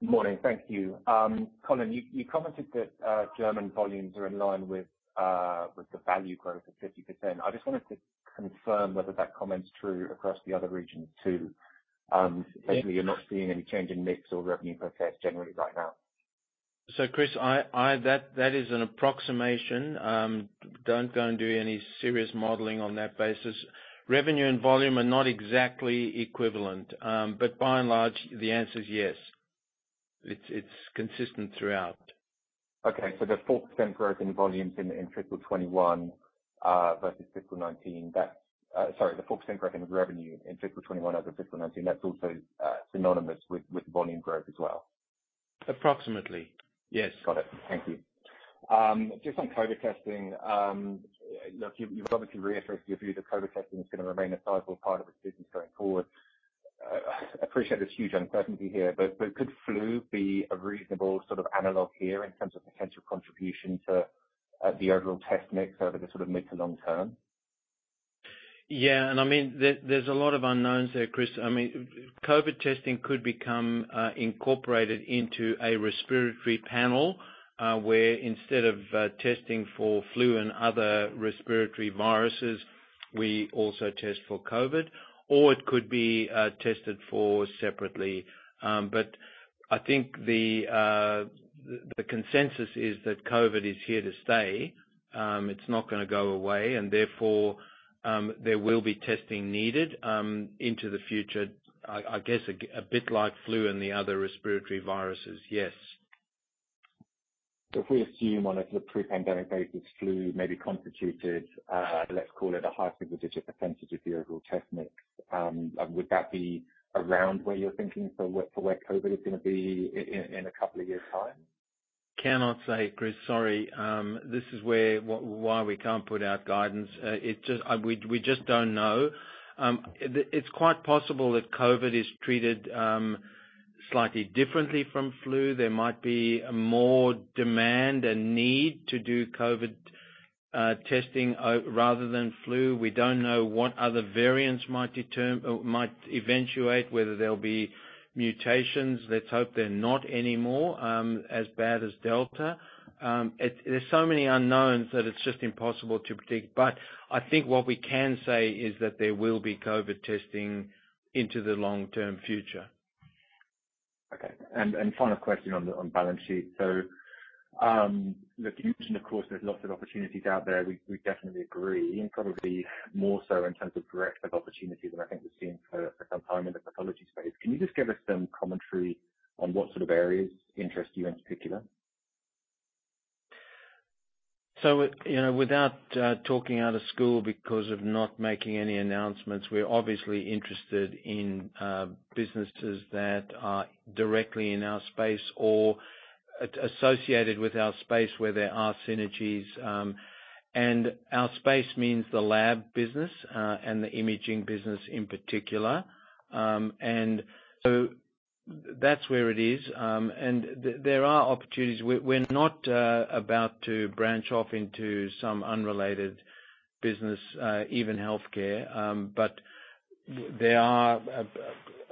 Speaker 4: Morning. Thank you. Colin, you commented that German volumes are in line with the value growth of 50%. I just wanted to confirm whether that comment's true across the other regions, too. Basically, you're not seeing any change in mix or revenue per test generally right now.
Speaker 1: Chris, that is an approximation. Don't go and do any serious modeling on that basis. Revenue and volume are not exactly equivalent. By and large, the answer is yes. It's consistent throughout.
Speaker 4: Okay. The 4% growth in volumes in fiscal 2021 vs fiscal 2019. Sorry, the 4% growth in revenue in fiscal 2021 over fiscal 2019, that's also synonymous with volume growth as well.
Speaker 1: Approximately, yes.
Speaker 4: Got it. Thank you. Just on COVID testing. Look, you've obviously reiterated your view that COVID testing is going to remain a sizable part of this business going forward. I appreciate there's huge uncertainty here, but could flu be a reasonable sort of analog here in terms of potential contribution to the overall test mix over the sort of mid to long term?
Speaker 1: Yeah. There's a lot of unknowns there, Chris. COVID testing could become incorporated into a respiratory panel, where instead of testing for flu and other respiratory viruses, we also test for COVID, or it could be tested for separately. I think the consensus is that COVID is here to stay. It's not going to go away, and therefore, there will be testing needed into the future, I guess a bit like flu and the other respiratory viruses, yes.
Speaker 4: If we assume on a pre-pandemic basis, flu maybe constituted, let's call it a high single-digit percentage of the overall test mix. Would that be around where you're thinking for where COVID is going to be in a couple of years' time?
Speaker 1: Cannot say, Chris, sorry. This is why we can't put out guidance. We just don't know. It's quite possible that COVID is treated slightly differently from flu. There might be more demand and need to do COVID testing rather than flu. We don't know what other variants might eventuate, whether there'll be mutations. Let's hope they're not anymore as bad as Delta. There's so many unknowns that it's just impossible to predict. I think what we can say is that there will be COVID testing into the long-term future.
Speaker 4: Okay. Final question on balance sheet. Look, you mentioned, of course, there's lots of opportunities out there. We definitely agree, and probably more so in terms of accretive opportunities than I think we've seen for some time in the pathology space. Can you just give us some commentary on what sort of areas interest you in particular?
Speaker 1: Without talking out of school because of not making any announcements, we're obviously interested in businesses that are directly in our space or associated with our space where there are synergies. Our space means the lab business, and the imaging business in particular. That's where it is. There are opportunities. We're not about to branch off into some unrelated business, even healthcare. There are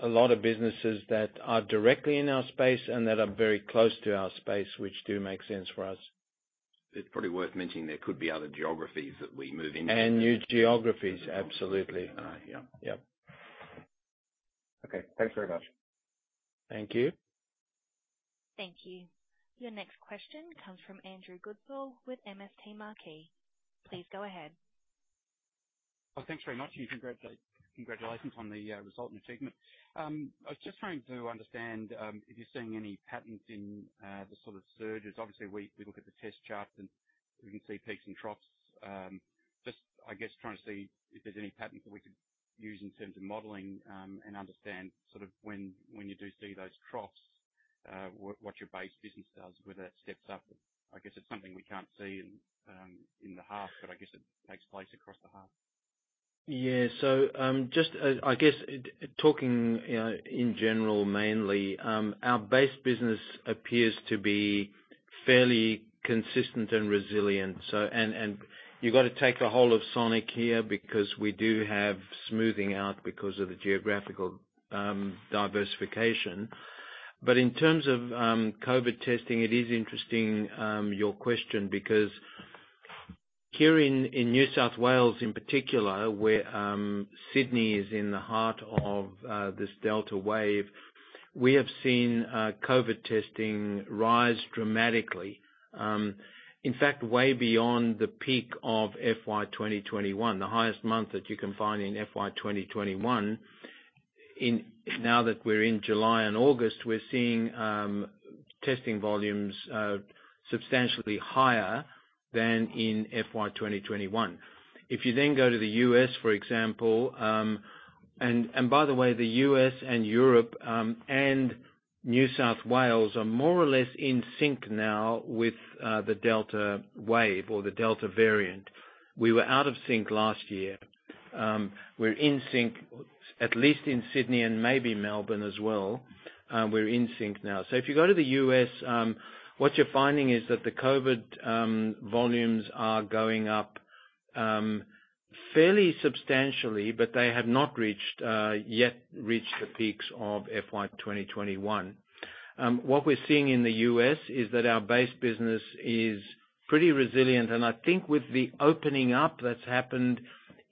Speaker 1: a lot of businesses that are directly in our space and that are very close to our space, which do make sense for us.
Speaker 5: It's probably worth mentioning there could be other geographies that we move into.
Speaker 1: New geographies, absolutely.
Speaker 4: Yeah.
Speaker 1: Yep.
Speaker 4: Okay, thanks very much.
Speaker 1: Thank you.
Speaker 2: Thank you. Your next question comes from Andrew Goodsall with MST Marquee. Please go ahead.
Speaker 6: Thanks very much, and congratulations on the result and achievement. I was just trying to understand if you're seeing any patterns in the sort of surges. Obviously, we look at the test charts and we can see peaks and troughs. Just, I guess, trying to see if there's any patterns that we could use in terms of modeling, and understand when you do see those troughs, what your base business does, whether that steps up. I guess it's something we can't see in the half, but I guess it takes place across the half.
Speaker 1: Yeah. Just, I guess, talking in general mainly, our base business appears to be fairly consistent and resilient. You've got to take a whole of Sonic here because we do have smoothing out because of the geographical diversification. In terms of COVID testing, it is interesting, your question, because here in New South Wales in particular, where Sydney is in the heart of this Delta wave, we have seen COVID testing rise dramatically. In fact, way beyond the peak of FY 2021, the highest month that you can find in FY 2021. Now that we're in July and August, we're seeing testing volumes substantially higher than in FY 2021. If you then go to the U.S., for example, and by the way, the U.S. and Europe, and New South Wales are more or less in sync now with the Delta wave or the Delta variant. We were out of sync last year. We're in sync, at least in Sydney and maybe Melbourne as well. We're in sync now. If you go to the U.S., what you're finding is that the COVID volumes are going up fairly substantially, but they have not yet reached the peaks of FY 2021. What we're seeing in the U.S. is that our base business is pretty resilient, and I think with the opening up that's happened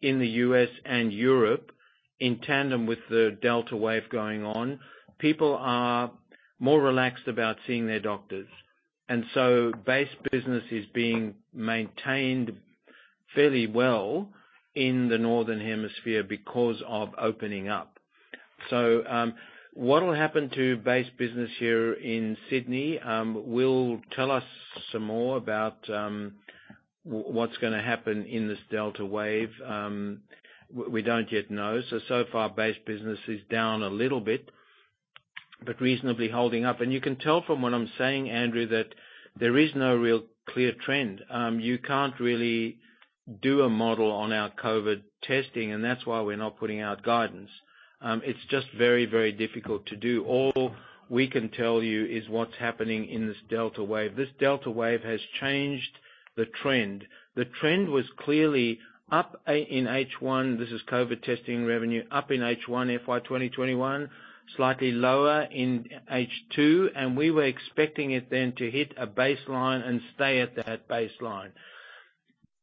Speaker 1: in the U.S. and Europe in tandem with the Delta wave going on, people are more relaxed about seeing their doctors. Base business is being maintained fairly well in the northern hemisphere because of opening up. What will happen to base business here in Sydney will tell us some more about what's going to happen in this Delta wave. We don't yet know. So far base business is down a little bit, but reasonably holding up. You can tell from what I'm saying, Andrew, that there is no real clear trend. You can't really do a model on our COVID testing, and that's why we're not putting out guidance. It's just very, very difficult to do. All we can tell you is what's happening in this Delta wave. This Delta wave has changed the trend. The trend was clearly up in H1, this is COVID testing revenue, up in H1 FY 2021, slightly lower in H2, we were expecting it then to hit a baseline and stay at that baseline.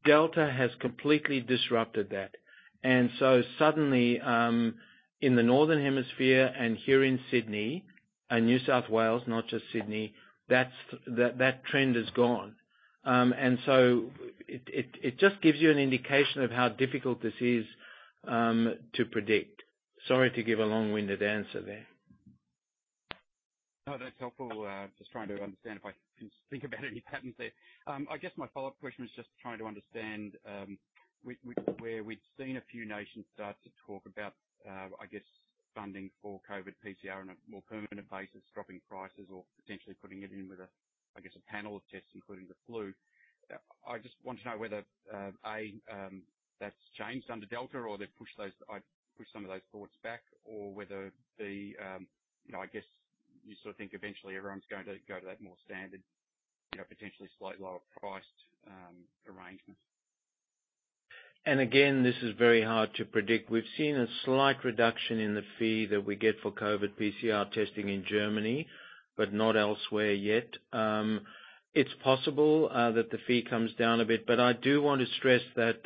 Speaker 1: Delta has completely disrupted that. Suddenly, in the northern hemisphere and here in Sydney and New South Wales, not just Sydney, that trend is gone. It just gives you an indication of how difficult this is to predict. Sorry to give a long-winded answer there.
Speaker 6: No, that's helpful. Just trying to understand if I can think about any patterns there. I guess my follow-up question was just trying to understand, where we've seen a few nations start to talk about, I guess funding for COVID PCR on a more permanent basis, dropping prices or potentially putting it in with a, I guess, a panel of tests, including the flu. I just want to know whether, A, that's changed under Delta or they've pushed some of those thoughts back or whether, I guess you sort of think eventually everyone's going to go to that more standard, potentially slightly lower priced arrangement.
Speaker 1: Again, this is very hard to predict. We've seen a slight reduction in the fee that we get for COVID PCR testing in Germany, but not elsewhere yet. It's possible that the fee comes down a bit. I do want to stress that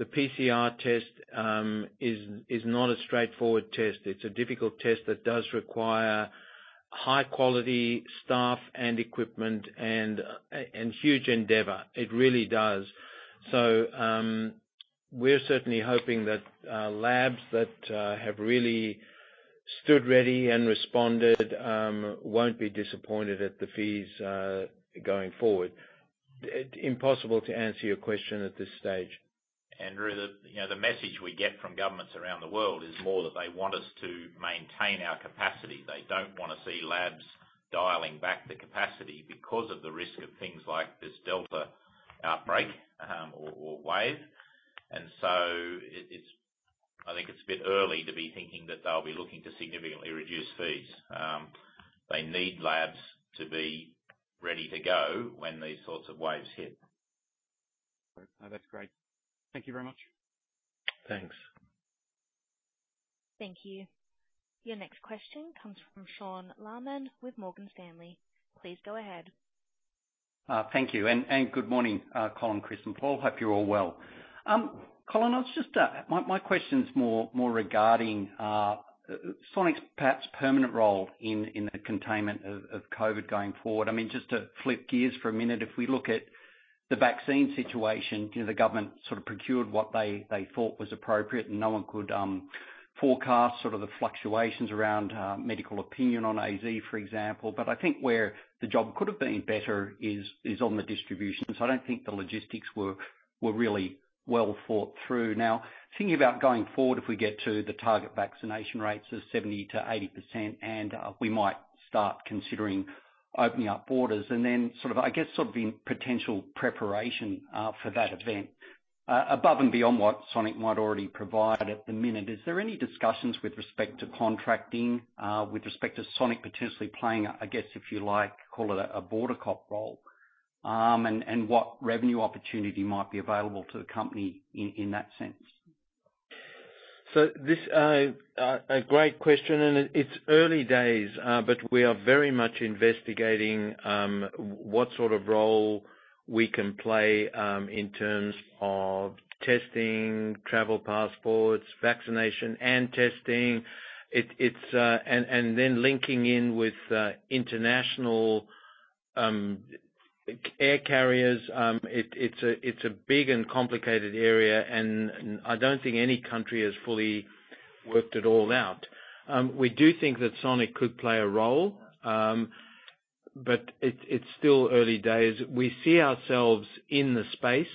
Speaker 1: the PCR test is not a straightforward test. It's a difficult test that does require high quality staff and equipment and huge endeavor. It really does. We're certainly hoping that labs that have really stood ready and responded won't be disappointed at the fees going forward. Impossible to answer your question at this stage.
Speaker 5: Andrew, the message we get from governments around the world is more that they want us to maintain our capacity. They don't want to see labs dialing back the capacity because of the risk of things like this Delta outbreak or wave. I think it's a bit early to be thinking that they'll be looking to significantly reduce fees. They need labs to be ready to go when these sorts of waves hit.
Speaker 6: No, that's great. Thank you very much.
Speaker 1: Thanks.
Speaker 2: Thank you. Your next question comes from Sean Laaman with Morgan Stanley. Please go ahead.
Speaker 7: Thank you. Good morning, Colin, Chris, and Paul. Hope you're all well. Colin, my question's more regarding Sonic's perhaps permanent role in the containment of COVID going forward. Just to flip gears for a minute, if we look at the vaccine situation, the government sort of procured what they thought was appropriate, and no one could forecast sort of the fluctuations around medical opinion on AZ, for example. I think where the job could have been better is on the distribution because I don't think the logistics were really well thought through. Thinking about going forward, if we get to the target vaccination rates of 70%-80%, we might start considering opening up borders. Then I guess sort of in potential preparation for that event, above and beyond what Sonic might already provide at the minute, is there any discussions with respect to contracting, with respect to Sonic potentially playing, I guess, if you like, call it a border cop role? What revenue opportunity might be available to the company in that sense?
Speaker 1: This, a great question, and it's early days, but we are very much investigating what sort of role we can play in terms of testing, travel passports, vaccination and testing, and then linking in with international air carriers. It's a big and complicated area, and I don't think any country has fully worked it all out. We do think that Sonic could play a role, but it's still early days. We see ourselves in the space,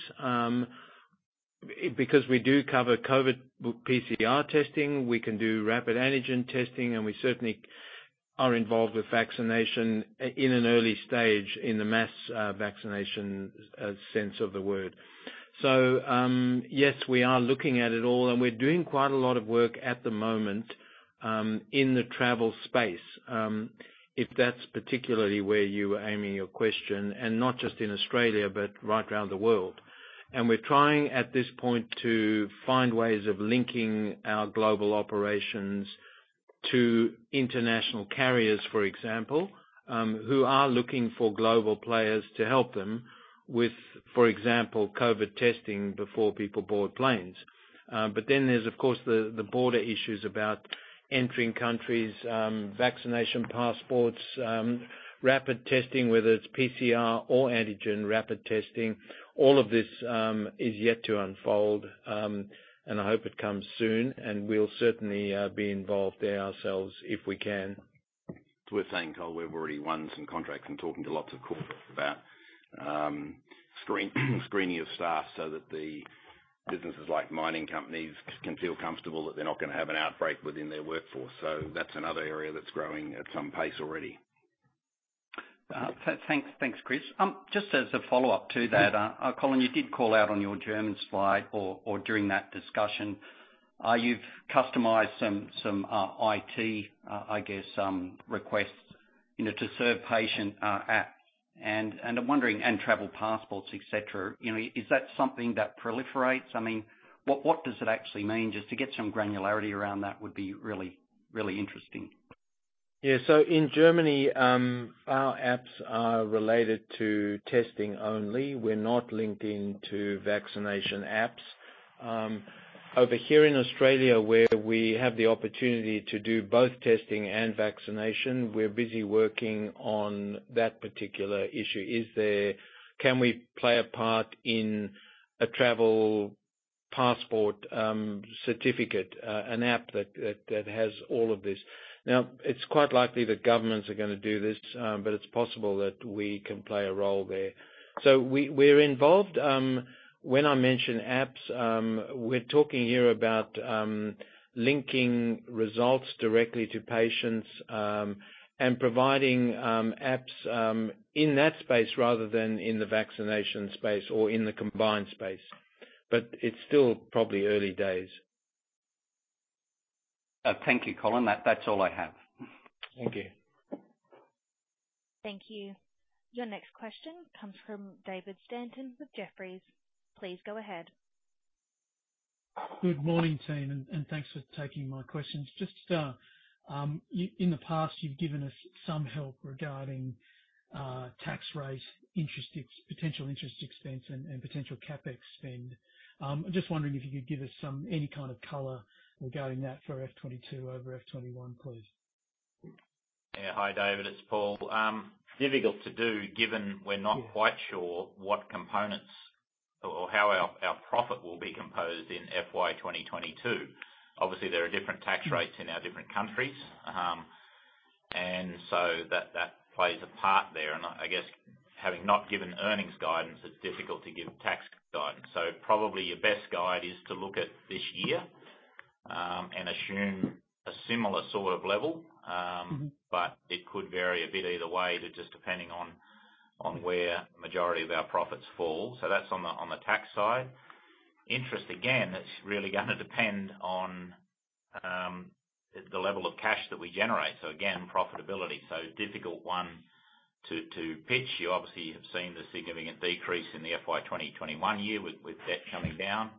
Speaker 1: because we do cover COVID PCR testing. We can do rapid antigen testing, and we certainly are involved with vaccination in an early stage in the mass vaccination sense of the word. Yes, we are looking at it all, and we're doing quite a lot of work at the moment in the travel space. If that's particularly where you were aiming your question, and not just in Australia, but right around the world. We're trying at this point to find ways of linking our global operations to international carriers, for example, who are looking for global players to help them with, for example, COVID testing before people board planes. There's, of course, the border issues about entering countries, vaccination passports, rapid testing, whether it's PCR or antigen rapid testing. All of this is yet to unfold, and I hope it comes soon, and we'll certainly be involved there ourselves if we can.
Speaker 5: It's worth saying, Colin, we've already won some contracts and talking to lots of corps about screening of staff so that the businesses like mining companies can feel comfortable that they're not going to have an outbreak within their workforce. That's another area that's growing at some pace already.
Speaker 7: Thanks, Chris. Just as a follow-up to that, Colin, you did call out on your German slide or during that discussion, you've customized some IT, I guess, requests to serve patient apps. I'm wondering, and travel passports, et cetera, is that something that proliferates? I mean, what does it actually mean? Just to get some granularity around that would be really interesting.
Speaker 1: Yeah. In Germany, our apps are related to testing only. We're not linking to vaccination apps. Over here in Australia, where we have the opportunity to do both testing and vaccination, we're busy working on that particular issue. Can we play a part in a travel passport certificate, an app that has all of this? It's quite likely that governments are going to do this, but it's possible that we can play a role there. We're involved. When I mention apps, we're talking here about linking results directly to patients, and providing apps in that space rather than in the vaccination space or in the combined space. It's still probably early days.
Speaker 7: Thank you, Colin. That's all I have.
Speaker 1: Thank you.
Speaker 2: Thank you. Your next question comes from David Stanton with Jefferies. Please go ahead. Good morning, team, and thanks for taking my questions. In the past, you've given us some help regarding tax rate, potential interest expense, and potential CapEx spend. I'm just wondering if you could give us any kind of color regarding that for FY 2022 over FY 2021, please.
Speaker 8: Yeah. Hi, David, it's Paul. Difficult to do given we're not quite sure what components or how our profit will be composed in FY 2022. Obviously, there are different tax rates in our different countries. That plays a part there. I guess having not given earnings guidance, it's difficult to give tax guidance. Probably your best guide is to look at this year, and assume a similar sort of level. It could vary a bit either way, just depending on where the majority of our profits fall. That's on the tax side. Interest, again, that's really going to depend on the level of cash that we generate. Again, profitability. Difficult one to pitch. You obviously have seen the significant decrease in the FY 2021 year with debt coming down.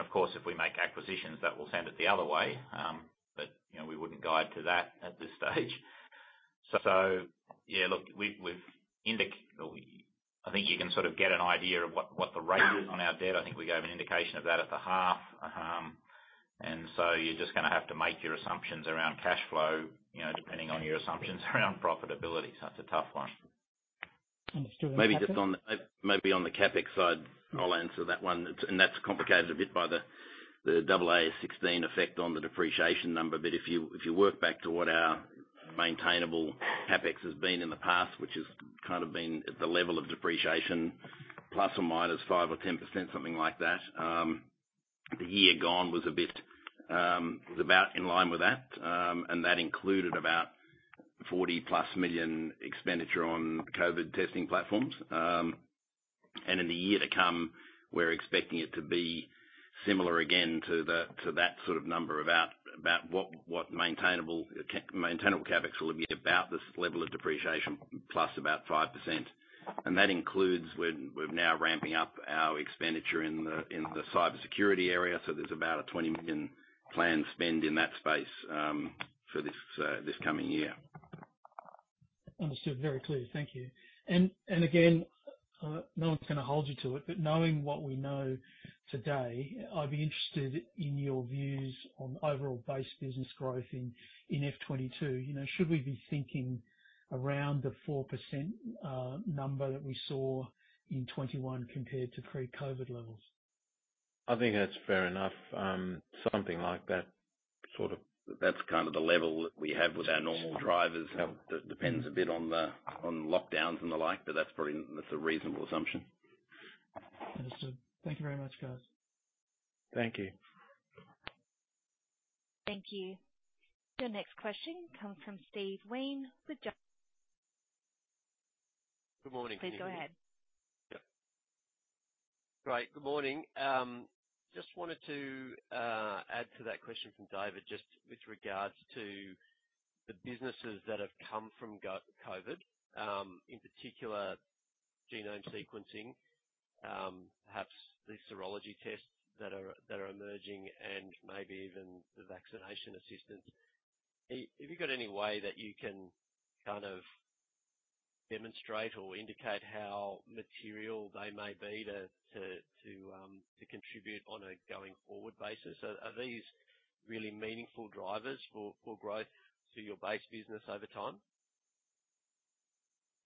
Speaker 8: Of course, if we make acquisitions, that will send it the other way. We wouldn't guide to that at this stage. Yeah, look, I think you can sort of get an idea of what the rate is on our debt. I think we gave an indication of that at the half. You're just going to have to make your assumptions around cash flow, depending on your assumptions around profitability. That's a tough one.
Speaker 9: Understood.
Speaker 5: Maybe on the CapEx side, I'll answer that one. That's complicated a bit by the AASB 16 effect on the depreciation number. If you work back to what our maintainable CapEx has been in the past, which has kind of been at the level of depreciation plus or minus 5% or 10%, something like that. The year gone was about in line with that, and that included about AUD 40+million-expenditure on COVID testing platforms. In the year to come, we're expecting it to be similar again to that sort of number, about what maintainable CapEx will be, about this level of depreciation plus about 5%. That includes, we're now ramping up our expenditure in the cybersecurity area. There's about a 20 million planned spend in that space for this coming year.
Speaker 9: Understood. Very clear. Thank you. Again, no one's going to hold you to it, but knowing what we know today, I'd be interested in your views on overall base business growth in FY 2022. Should we be thinking around the 4% number that we saw in 2021 compared to pre-COVID levels?
Speaker 1: I think that's fair enough. Something like that, sort of.
Speaker 8: That's kind of the level that we have with our normal drivers. Depends a bit on lockdowns and the like, but that's a reasonable assumption.
Speaker 9: Understood. Thank you very much, guys.
Speaker 5: Thank you.
Speaker 2: Thank you. Your next question comes from Steven Wheen with [Jarden] Good morning. Please go ahead. Yeah.
Speaker 10: Right. Good morning. Just wanted to add to that question from David just with regards to the businesses that have come from COVID, in particular genome sequencing, perhaps the serology tests that are emerging, and maybe even the vaccination assistance. Have you got any way that you can kind of demonstrate or indicate how material they may be to contribute on a going forward basis? Are these really meaningful drivers for growth to your base business over time?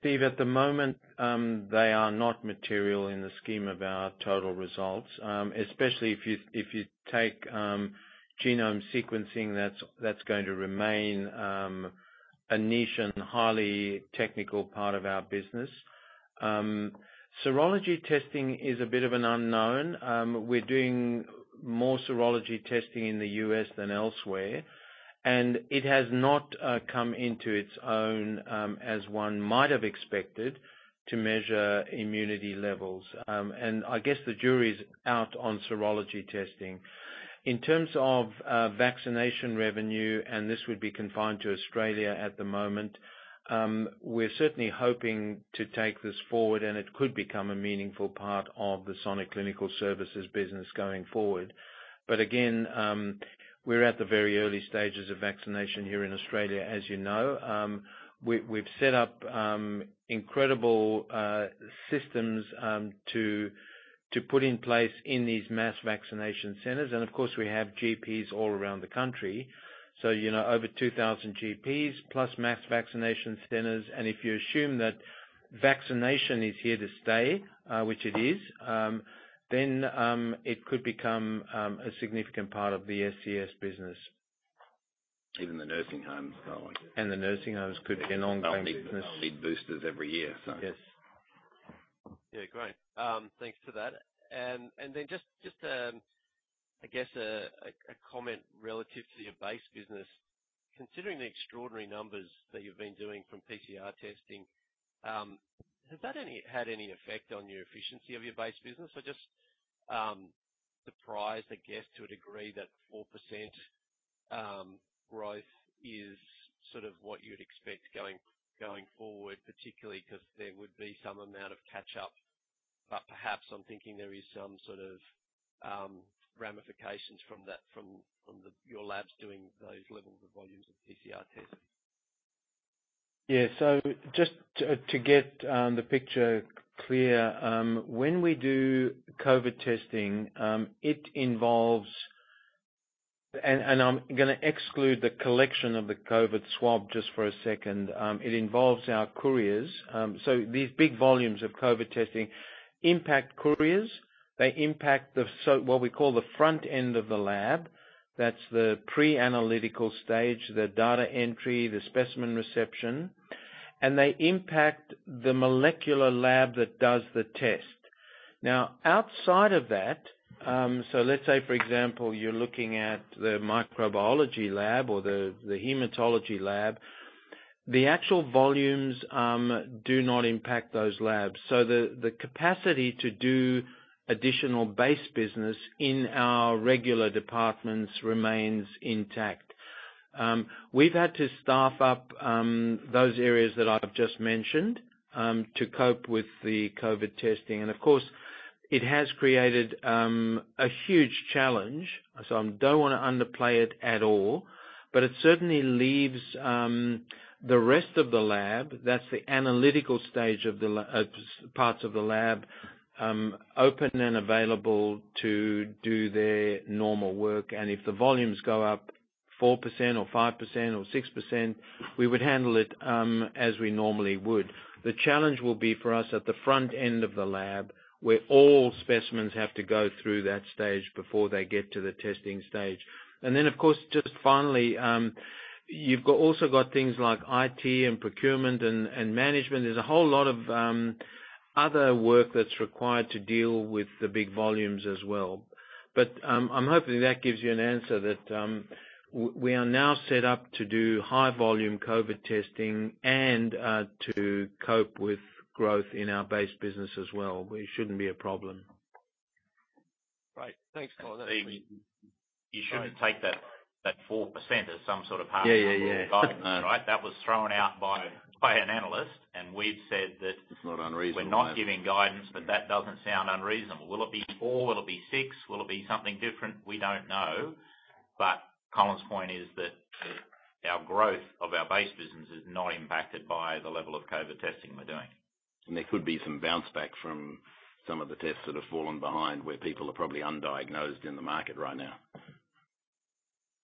Speaker 1: Steve, at the moment, they are not material in the scheme of our total results. Especially if you take genome sequencing, that's going to remain a niche and highly technical part of our business. Serology testing is a bit of an unknown. We're doing more serology testing in the U.S. than elsewhere, it has not come into its own as one might have expected to measure immunity levels. I guess the jury is out on serology testing. In terms of vaccination revenue, this would be confined to Australia at the moment, we're certainly hoping to take this forward, it could become a meaningful part of the Sonic Clinical Services business going forward. Again, we're at the very early stages of vaccination here in Australia, as you know. We've set up incredible systems to put in place in these mass vaccination centers, of course, we have GPs all around the country. Over 2,000 GPs plus mass vaccination centers, and if you assume that vaccination is here to stay, which it is, then it could become a significant part of the Sonic Clinical Services business.
Speaker 8: Even the nursing homes.
Speaker 1: The nursing homes could be an ongoing business.
Speaker 8: They'll need boosters every year.
Speaker 1: Yes.
Speaker 10: Yeah, great. Thanks for that. Just, I guess, a comment relative to your base business. Considering the extraordinary numbers that you've been doing from PCR testing, has that had any effect on your efficiency of your base business? Just surprised, I guess, to a degree that 4% growth is sort of what you'd expect going forward, particularly because there would be some amount of catch-up. Perhaps I'm thinking there is some sort of ramifications from your labs doing those levels of volumes of PCR testing.
Speaker 1: Just to get the picture clear, when we do COVID testing, it involves. I'm going to exclude the collection of the COVID swab just for a second. It involves our couriers. These big volumes of COVID testing impact couriers. They impact what we call the front end of the lab. That's the pre-analytical stage, the data entry, the specimen reception, and they impact the molecular lab that does the test. Outside of that, let's say for example, you're looking at the microbiology lab or the hematology lab, the actual volumes do not impact those labs. The capacity to do additional base business in our regular departments remains intact. We've had to staff up those areas that I've just mentioned to cope with the COVID testing. Of course, it has created a huge challenge, so I don't want to underplay it at all. It certainly leaves the rest of the lab, that's the analytical parts of the lab, open and available to do their normal work. If the volumes go up 4% or 5% or 6%, we would handle it as we normally would. The challenge will be for us at the front end of the lab, where all specimens have to go through that stage before they get to the testing stage. Of course, just finally, you've also got things like IT and procurement and management. There's a whole lot of other work that's required to deal with the big volumes as well. I'm hoping that gives you an answer that we are now set up to do high volume COVID testing and to cope with growth in our base business as well, where it shouldn't be a problem.
Speaker 10: Great. Thanks, Colin.
Speaker 5: You shouldn't take that 4% as some sort of hard and fast guidance, right?
Speaker 1: Yeah.
Speaker 5: That was thrown out by an analyst, and we've said that.
Speaker 1: It's not unreasonable.
Speaker 8: We're not giving guidance, but that doesn't sound unreasonable. Will it be 4? Will it be 6? Will it be something different? We don't know. Colin's point is that our growth of our base business is not impacted by the level of COVID testing we're doing.
Speaker 1: There could be some bounce back from some of the tests that have fallen behind, where people are probably undiagnosed in the market right now.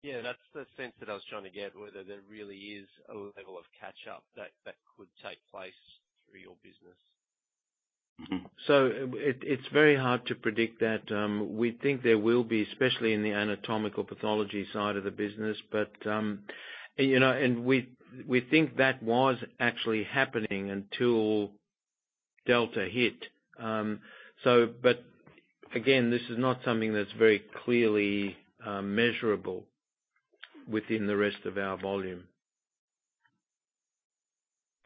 Speaker 10: Yeah, that's the sense that I was trying to get, whether there really is a level of catch-up that could take place through your business.
Speaker 1: It's very hard to predict that. We think there will be, especially in the anatomical pathology side of the business, but we think that was actually happening until Delta hit. Again, this is not something that's very clearly measurable within the rest of our volume.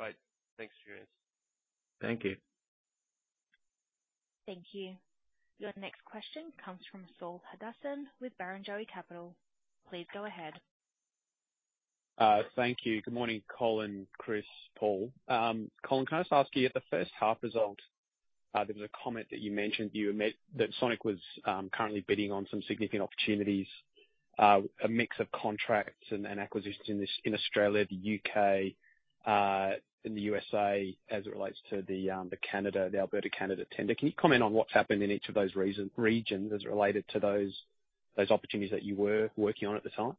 Speaker 10: Right. Thanks for your answer.
Speaker 1: Thank you.
Speaker 2: Thank you. Your next question comes from Saul Hadassin with Barrenjoey Capital. Please go ahead. Thank you. Good morning, Colin, Chris, Paul. Colin, can I just ask you, at the first half result, there was a comment that you mentioned that Sonic was currently bidding on some significant opportunities, a mix of contracts and acquisitions in Australia, the U.K., and the U.S.A. as it relates to the Alberta, Canada tender. Can you comment on what's happened in each of those regions as related to those opportunities that you were working on at the time?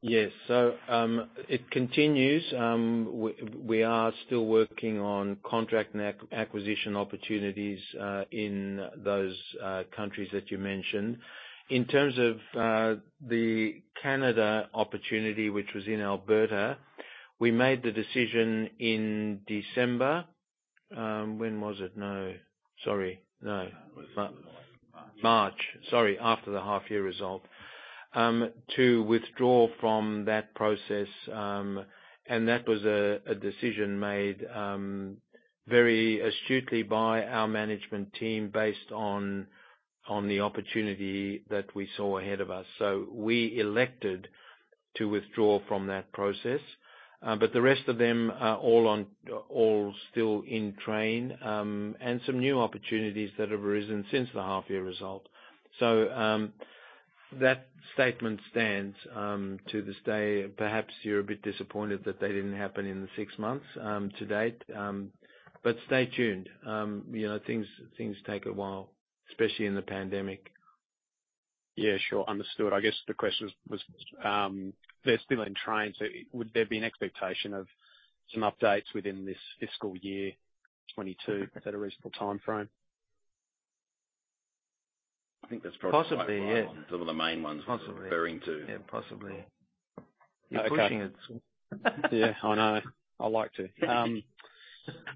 Speaker 1: Yes. It continues. We are still working on contract and acquisition opportunities, in those countries that you mentioned. In terms of the Canada opportunity, which was in Alberta, we made the decision in December. When was it? No, sorry. No.
Speaker 5: March.
Speaker 1: March. Sorry, after the half year result. To withdraw from that process. That was a decision made very astutely by our management team based on the opportunity that we saw ahead of us. We elected to withdraw from that process. The rest of them are all still in train. Some new opportunities that have arisen since the half year result. That statement stands to this day. Perhaps you're a bit disappointed that they didn't happen in the six months to date. Stay tuned. Things take a while, especially in the pandemic.
Speaker 11: Yeah, sure. Understood. I guess the question was, they're still in train, would there be an expectation of some updates within this fiscal year, 2022? Is that a reasonable timeframe?
Speaker 1: I think that's probably quite-
Speaker 5: Possibly, yeah.
Speaker 8: Some of the main ones we're referring to.
Speaker 5: Yeah, possibly.
Speaker 11: Okay.
Speaker 5: You're pushing it, Saul.
Speaker 11: Yeah, I know. I like to.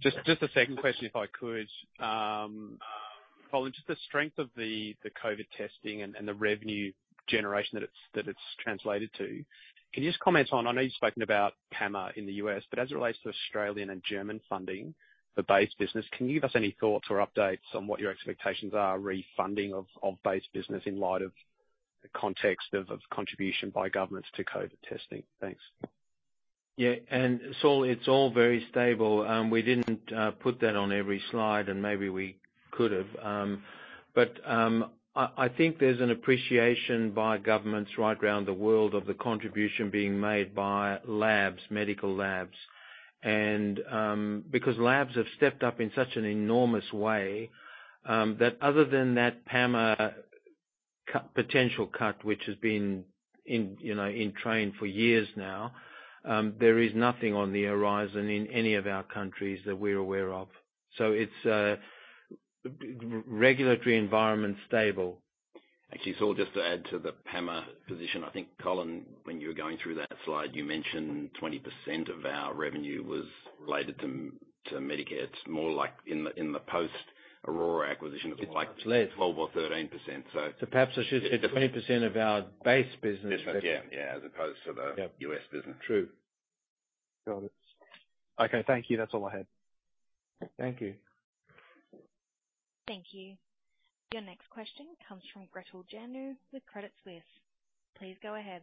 Speaker 11: Just a second question, if I could. Colin, just the strength of the COVID testing and the revenue generation that it's translated to. Can you just comment on, I know you've spoken about PAMA in the U.S., but as it relates to Australian and German funding for base business, can you give us any thoughts or updates on what your expectations are re funding of base business in light of the context of contribution by governments to COVID testing? Thanks.
Speaker 1: Yeah. Saul, it's all very stable. We didn't put that on every slide, and maybe we could've. I think there's an appreciation by governments right around the world of the contribution being made by labs, medical labs. Because labs have stepped up in such an enormous way, that other than that PAMA potential cut, which has been in train for years now, there is nothing on the horizon in any of our countries that we're aware of. It's regulatory environment stable.
Speaker 8: Actually, Saul, just to add to the PAMA position. I think, Colin, when you were going through that slide, you mentioned 20% of our revenue was related to Medicare. It's more like in the post Aurora acquisition.
Speaker 1: It's less.
Speaker 8: 12 or 13%.
Speaker 1: Perhaps I should say 20% of our base business.
Speaker 5: Business, yeah.
Speaker 1: Yeah
Speaker 5: U.S. business.
Speaker 1: True.
Speaker 11: Got it. Okay, thank you. That's all I had.
Speaker 1: Thank you.
Speaker 2: Thank you. Your next question comes from Gretel Janu with Credit Suisse. Please go ahead.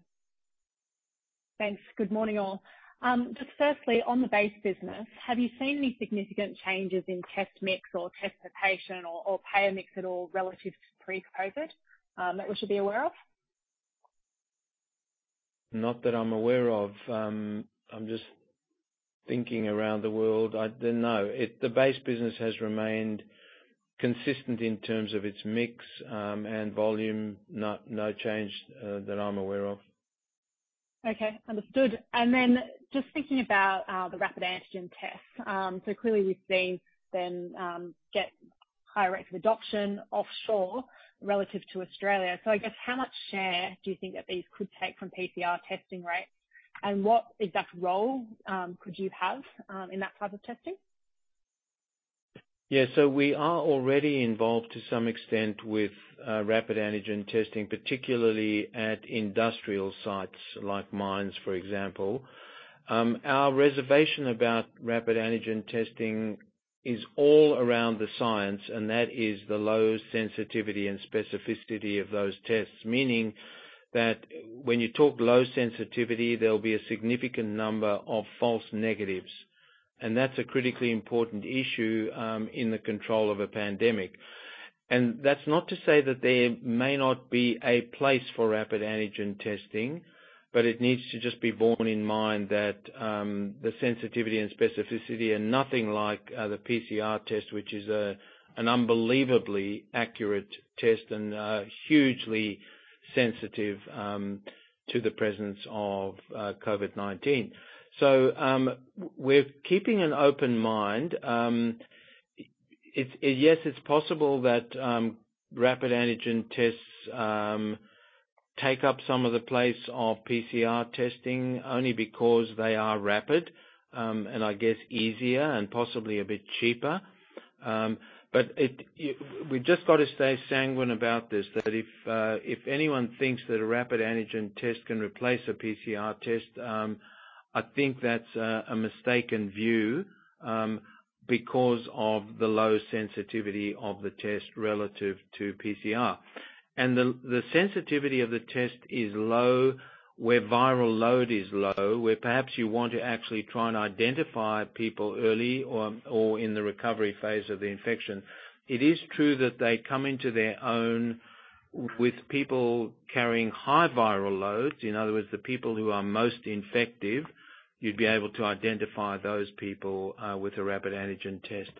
Speaker 2: Thanks. Good morning, all. Firstly, on the base business, have you seen any significant changes in test mix or test per patient or payer mix at all relative to pre-COVID, that we should be aware of?
Speaker 1: Not that I'm aware of. I'm just thinking around the world. No. The base business has remained consistent in terms of its mix and volume. No change that I'm aware of.
Speaker 12: Okay, understood. Just thinking about the rapid antigen test. Clearly we've seen them get higher rates of adoption offshore relative to Australia. I guess, how much share do you think that these could take from PCR testing rates? What exact role could you have in that type of testing?
Speaker 1: Yeah, we are already involved to some extent with rapid antigen testing, particularly at industrial sites like mines, for example. Our reservation about rapid antigen testing is all around the science, that is the low sensitivity and specificity of those tests, meaning that when you talk low sensitivity, there'll be a significant number of false negatives, and that's a critically important issue in the control of a pandemic. That's not to say that there may not be a place for rapid antigen testing, but it needs to just be borne in mind that the sensitivity and specificity are nothing like the PCR test, which is an unbelievably accurate test and hugely sensitive to the presence of COVID-19. We're keeping an open mind. Yes, it's possible that rapid antigen tests take up some of the place of PCR testing only because they are rapid, and I guess easier and possibly a bit cheaper. We've just got to stay sanguine about this, that if anyone thinks that a rapid antigen test can replace a PCR test, I think that's a mistaken view, because of the low sensitivity of the test relative to PCR. The sensitivity of the test is low where viral load is low, where perhaps you want to actually try and identify people early or in the recovery phase of the infection. It is true that they come into their own with people carrying high viral loads. In other words, the people who are most infective, you'd be able to identify those people with a rapid antigen test.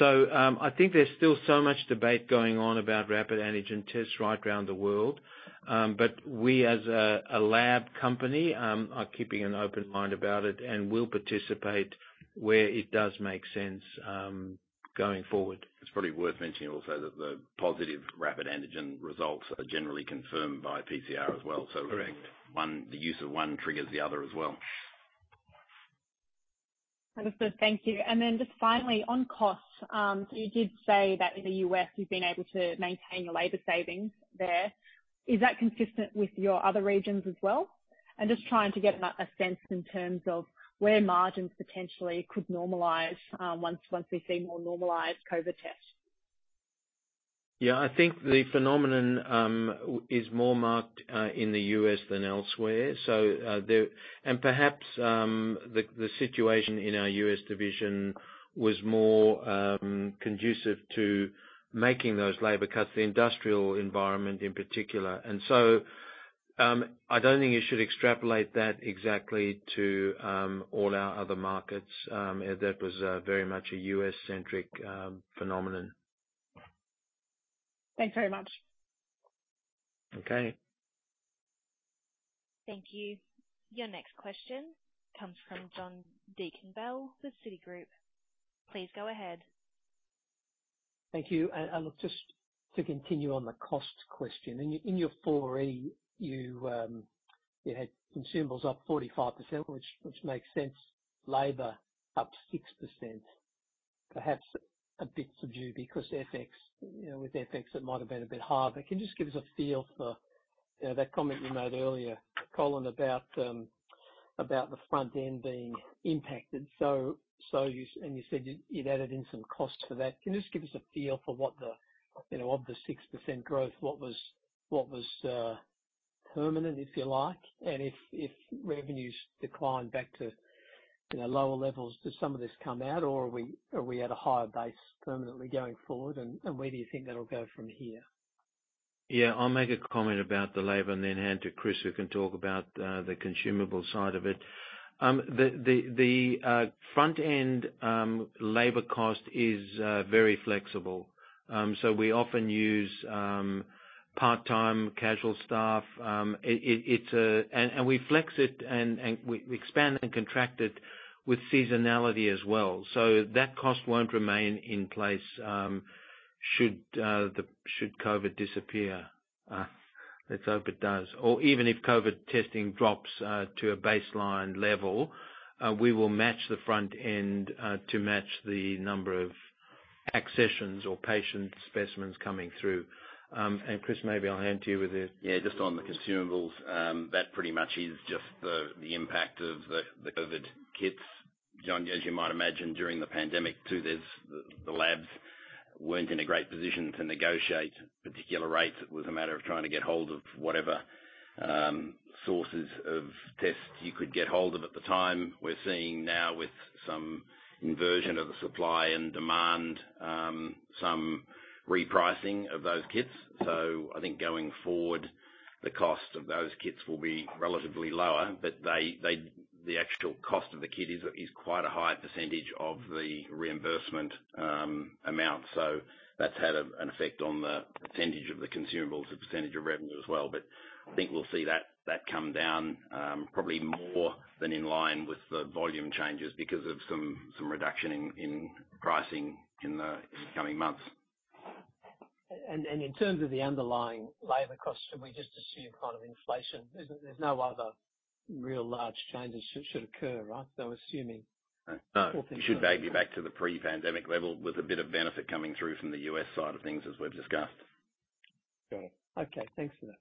Speaker 1: I think there's still so much debate going on about rapid antigen tests right around the world. We, as a lab company, are keeping an open mind about it and will participate where it does make sense going forward.
Speaker 8: It's probably worth mentioning also that the positive rapid antigen results are generally confirmed by PCR as well.
Speaker 1: Correct.
Speaker 8: The use of one triggers the other as well.
Speaker 12: Understood. Thank you. Just finally, on costs, you did say that in the U.S. you've been able to maintain your labor savings there. Is that consistent with your other regions as well? I'm just trying to get a sense in terms of where margins potentially could normalize, once we see more normalized COVID tests.
Speaker 1: I think the phenomenon is more marked in the U.S. than elsewhere. Perhaps, the situation in our U.S. division was more conducive to making those labor cuts, the industrial environment in particular. I don't think you should extrapolate that exactly to all our other markets. That was very much a U.S.-centric phenomenon.
Speaker 12: Thanks very much.
Speaker 1: Okay.
Speaker 2: Thank you. Your next question comes from John Deacon-Bell with Citigroup. Please go ahead. Thank you. Look, just to continue on the cost question. In your 4E, you had consumables up 45%, which makes sense. Labor up 6%, perhaps a bit subdued because with FX, it might have been a bit higher. Can you just give us a feel for that comment you made earlier, Colin, about the front end being impacted? You said you'd added in some costs for that. Can you just give us a feel for of the 6% growth, what was permanent, if you like? If revenues decline back to lower levels, does some of this come out or are we at a higher base permanently going forward? Where do you think that'll go from here?
Speaker 1: Yeah, I will make a comment about the labor and then hand to Chris, who can talk about the consumable side of it. The front end labor cost is very flexible. We often use part-time casual staff, and we flex it and we expand and contract it with seasonality as well. That cost won't remain in place, should COVID disappear. Let's hope it does. Even if COVID testing drops to a baseline level, we will match the front end, to match the number of accessions or patient specimens coming through. Chris, maybe I will hand to you.
Speaker 5: Yeah, just on the consumables. That pretty much is just the impact of the COVID kits. John, as you might imagine, during the pandemic too, the labs weren't in a great position to negotiate particular rates. It was a matter of trying to get hold of whatever sources of tests you could get hold of at the time. We're seeing now with some inversion of the supply and demand, some repricing of those kits. I think going forward, the cost of those kits will be relatively lower, but the actual cost of the kit is quite a high percent of the reimbursement amount. That's had an effect on the % of the consumables, the % of revenue as well. I think we'll see that come down, probably more than in line with the volume changes because of some reduction in pricing in the coming months.
Speaker 13: In terms of the underlying labor cost, should we just assume kind of inflation? There's no other real large changes should occur, right?
Speaker 5: No. It should be back to the pre-pandemic level with a bit of benefit coming through from the U.S. side of things, as we've discussed.
Speaker 13: Got it. Okay, thanks for that.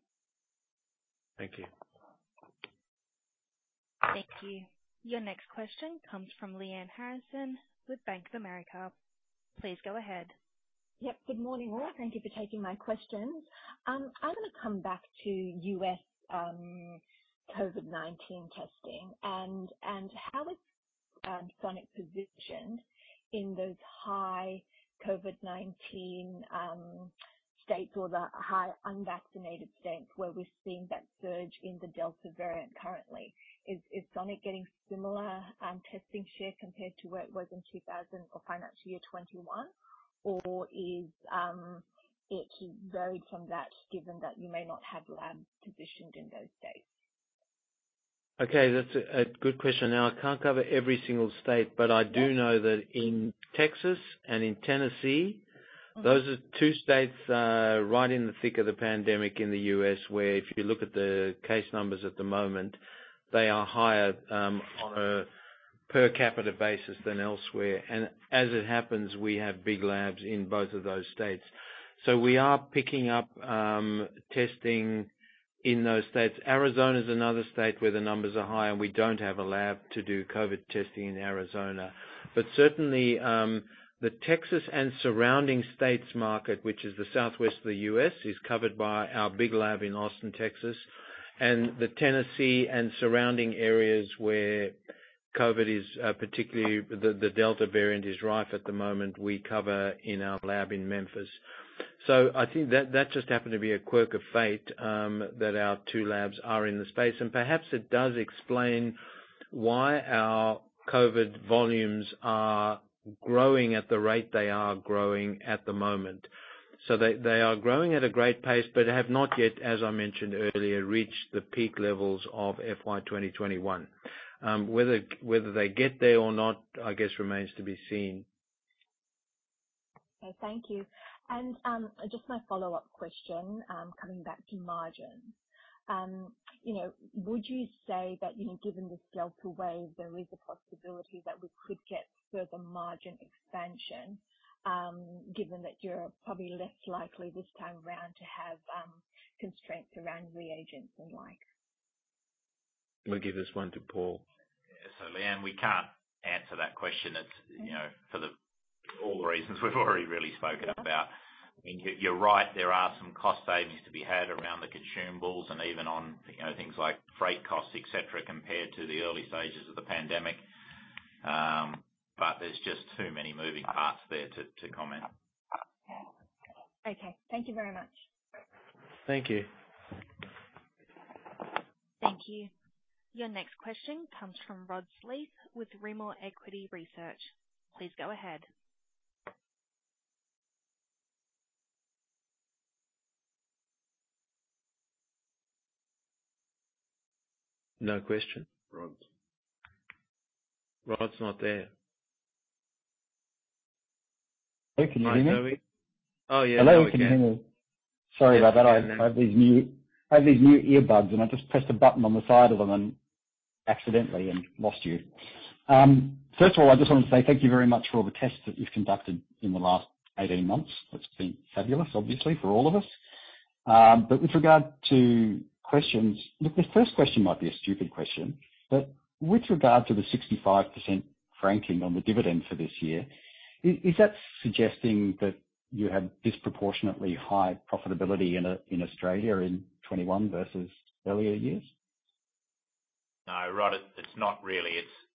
Speaker 1: Thank you.
Speaker 2: Thank you. Your next question comes from Lyanne Harrison with Bank of America. Please go ahead. Yep, good morning, all. Thank you for taking my questions. I want to come back to U.S. COVID-19 testing. How is Sonic positioned in those high COVID-19 states or the high unvaccinated states where we're seeing that surge in the Delta variant currently? Is Sonic getting similar testing share compared to where it was in FY 2021? Is it varied from that, given that you may not have labs positioned in those states?
Speaker 1: That's a good question. I can't cover every single state, but I do know that in Texas and in Tennessee, those are two states right in the thick of the pandemic in the U.S., where if you look at the case numbers at the moment, they are higher on a per capita basis than elsewhere. As it happens, we have big labs in both of those states. We are picking up testing in those states. Arizona is another state where the numbers are high, and we don't have a lab to do COVID testing in Arizona. Certainly, the Texas and surrounding states market, which is the Southwest of the U.S., is covered by our big lab in Austin, Texas. The Tennessee and surrounding areas where COVID, particularly the Delta variant is rife at the moment, we cover in our lab in Memphis. I think that just happened to be a quirk of fate, that our two labs are in the space. Perhaps it does explain why our COVID volumes are growing at the rate they are growing at the moment. They are growing at a great pace, but have not yet, as I mentioned earlier, reached the peak levels of FY 2021. Whether they get there or not, I guess remains to be seen.
Speaker 14: Okay, thank you. Just my follow-up question, coming back to margins. Would you say that, given the scale to weigh, there is a possibility that we could get further margin expansion, given that you're probably less likely this time around to have constraints around reagents and like?
Speaker 1: I'm going to give this one to Paul.
Speaker 8: Lyanne, we can't answer that question for all the reasons we've already really spoken about. You're right, there are some cost savings to be had around the consumables and even on things like freight costs, et cetera, compared to the early stages of the pandemic. There's just too many moving parts there to comment.
Speaker 14: Okay. Thank you very much.
Speaker 1: Thank you.
Speaker 2: Thank you. Your next question comes from Rod Sleath with Rimor Equity Research. Please go ahead.
Speaker 1: No question.
Speaker 8: Rod.
Speaker 1: Rod's not there.
Speaker 2: Hey, can you hear me?
Speaker 1: Hi, Toby. Oh, yeah.
Speaker 15: Hello, can you hear me? Sorry about that.
Speaker 1: Yeah.
Speaker 15: I have these new earbuds, and I just pressed a button on the side of them accidentally and lost you. First of all, I just wanted to say thank you very much for all the tests that you've conducted in the last 18 months. That's been fabulous, obviously, for all of us. With regard to questions, look, this first question might be a stupid question, but with regard to the 65% franking on the dividend for this year, is that suggesting that you have disproportionately high profitability in Australia in FY 2021 versus earlier years?
Speaker 8: No, Rod, it's not really.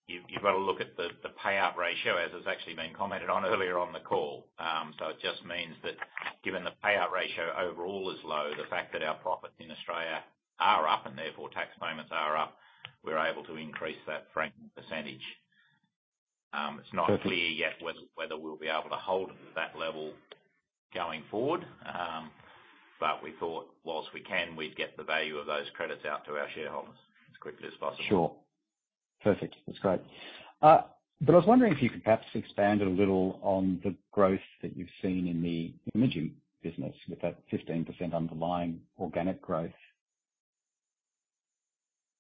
Speaker 8: You've got to look at the payout ratio as it's actually been commented on earlier on the call. It just means that given the payout ratio overall is low, the fact that our profits in Australia are up and therefore tax payments are up, we're able to increase that franking percentage.
Speaker 15: Perfect.
Speaker 8: It's not clear yet whether we'll be able to hold that level going forward. We thought whilst we can, we'd get the value of those credits out to our shareholders as quickly as possible.
Speaker 15: Sure. Perfect. That's great. I was wondering if you could perhaps expand a little on the growth that you've seen in the imaging business with that 15% underlying organic growth.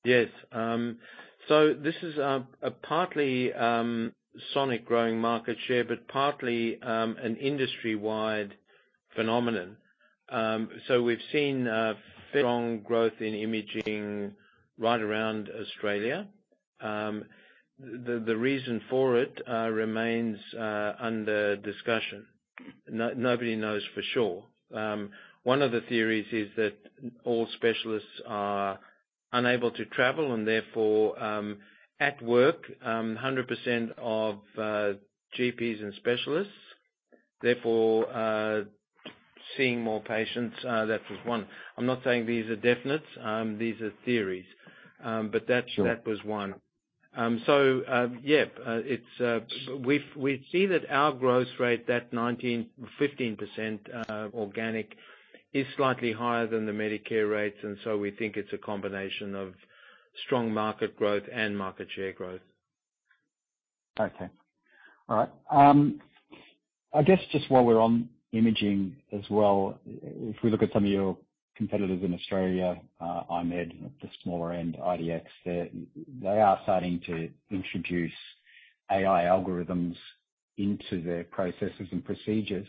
Speaker 1: Yes. This is partly Sonic growing market share, but partly an industry-wide phenomenon. We've seen a fair strong growth in imaging right around Australia. The reason for it remains under discussion. Nobody knows for sure. One of the theories is that all specialists are unable to travel and therefore at work, 100% of GPs and specialists, therefore seeing more patients. That was one. I'm not saying these are definites. These are theories.
Speaker 15: Sure.
Speaker 1: That was one. Yeah, we see that our growth rate, that 15% organic, is slightly higher than the Medicare rates, and so we think it's a combination of strong market growth and market share growth.
Speaker 15: I guess just while we're on imaging as well, if we look at some of your competitors in Australia, I-MED, the smaller end, IDX, they are starting to introduce AI algorithms into their processes and procedures.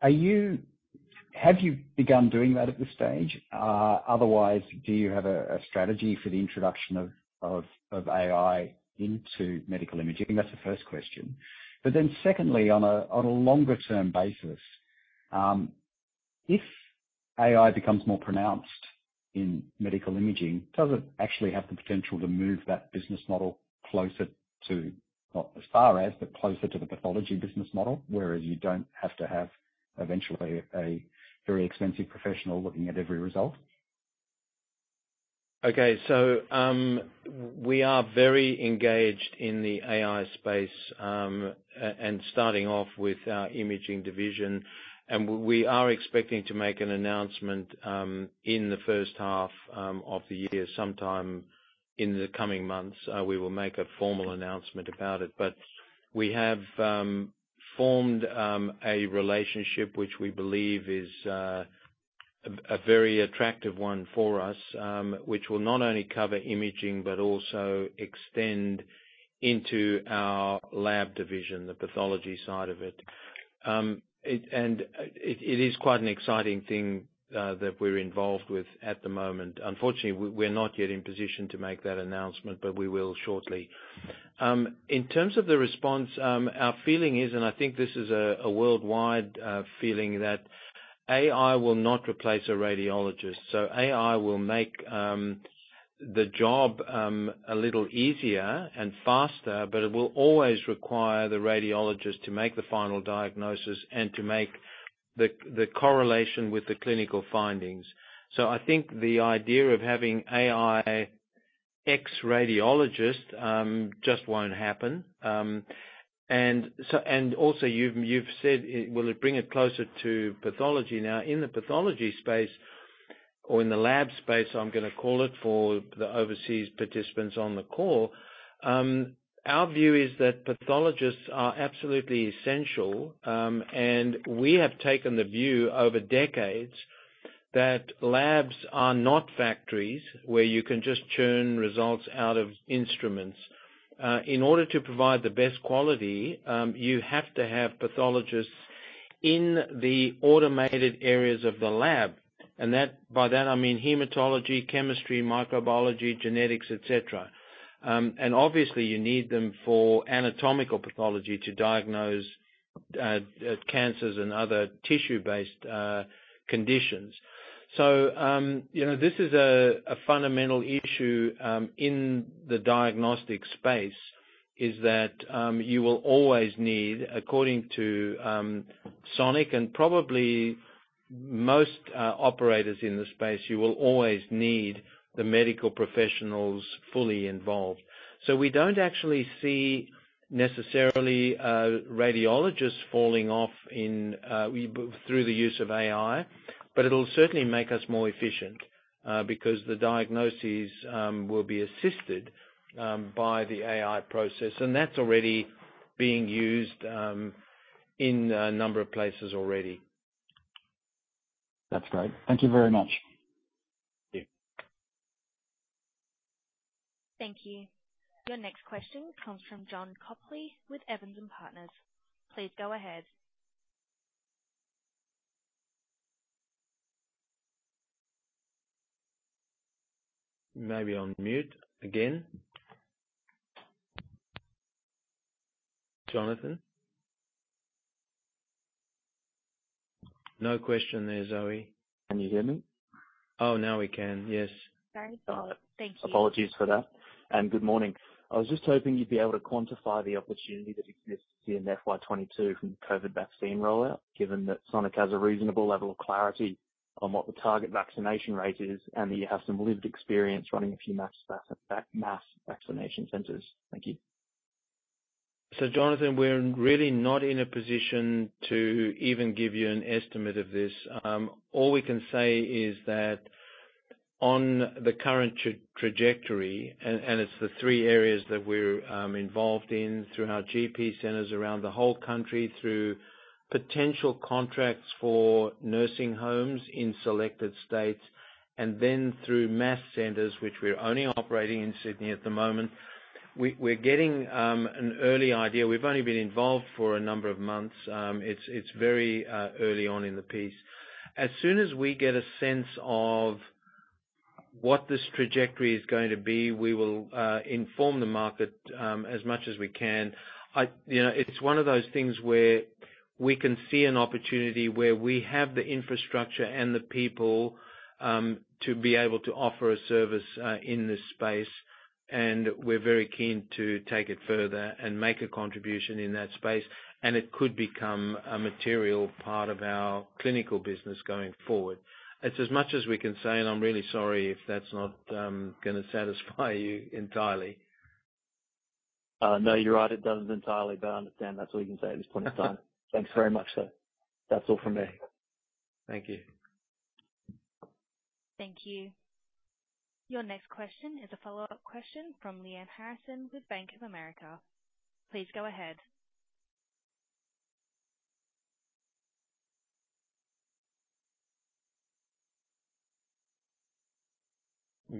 Speaker 15: Have you begun doing that at this stage? Otherwise, do you have a strategy for the introduction of AI into medical imaging? That's the first question. Secondly, on a longer term basis, if AI becomes more pronounced in medical imaging, does it actually have the potential to move that business model closer to, not as far as, but closer to the pathology business model, whereas you don't have to have eventually a very expensive professional looking at every result?
Speaker 1: We are very engaged in the AI space, and starting off with our imaging division. We are expecting to make an announcement in the first half of the year, sometime in the coming months, we will make a formal announcement about it. We have formed a relationship which we believe is a very attractive one for us, which will not only cover imaging, but also extend into our lab division, the pathology side of it. It is quite an exciting thing that we're involved with at the moment. Unfortunately, we're not yet in position to make that announcement, but we will shortly. In terms of the response, our feeling is, and I think this is a worldwide feeling, that AI will not replace a radiologist. AI will make the job a little easier and faster, but it will always require the radiologist to make the final diagnosis and to make the correlation with the clinical findings. I think the idea of having AIX-radiologist just won't happen. Also you've said, will it bring it closer to pathology? Now, in the pathology space or in the lab space, I'm going to call it for the overseas participants on the call, our view is that pathologists are absolutely essential. We have taken the view over decades that labs are not factories where you can just churn results out of instruments. In order to provide the best quality, you have to have pathologists in the automated areas of the lab. By that, I mean hematology, chemistry, microbiology, genetics, et cetera. Obviously, you need them for anatomical pathology to diagnose cancers and other tissue-based conditions. This is a fundamental issue in the diagnostic space, is that you will always need, according to Sonic and probably most operators in the space, you will always need the medical professionals fully involved. We don't actually see necessarily radiologists falling off through the use of AI, but it'll certainly make us more efficient, because the diagnoses will be assisted by the AI process. That's already being used in a number of places already.
Speaker 15: That's great. Thank you very much.
Speaker 1: Yeah.
Speaker 2: Thank you. Your next question comes from John Copley with Evans and Partners. Please go ahead.
Speaker 1: Maybe on mute again. Jonathan? No question there, Zoe.
Speaker 16: Can you hear me?
Speaker 1: Oh, now we can. Yes.
Speaker 16: Sorry. Thank you. Apologies for that, good morning. I was just hoping you'd be able to quantify the opportunity that exists in FY 2022 from the COVID vaccine rollout, given that Sonic has a reasonable level of clarity on what the target vaccination rate is, and that you have some lived experience running a few mass vaccination centers. Thank you.
Speaker 1: Jonathan, we're really not in a position to even give you an estimate of this. All we can say is that on the current trajectory, it's the three areas that we're involved in, through our GP centers around the whole country, through potential contracts for nursing homes in selected states, and then through mass centers, which we're only operating in Sydney at the moment. We're getting an early idea. We've only been involved for a number of months. It's very early on in the piece. As soon as we get a sense of what this trajectory is going to be, we will inform the market as much as we can. It's one of those things where we can see an opportunity where we have the infrastructure and the people, to be able to offer a service in this space, and we're very keen to take it further and make a contribution in that space, and it could become a material part of our clinical business going forward. It's as much as we can say, and I'm really sorry if that's not going to satisfy you entirely.
Speaker 16: No, you're right. It doesn't entirely, but I understand that's all you can say at this point in time. Thanks very much, sir. That's all from me.
Speaker 1: Thank you.
Speaker 2: Thank you. Your next question is a follow-up question from Lyanne Harrison with Bank of America. Please go ahead.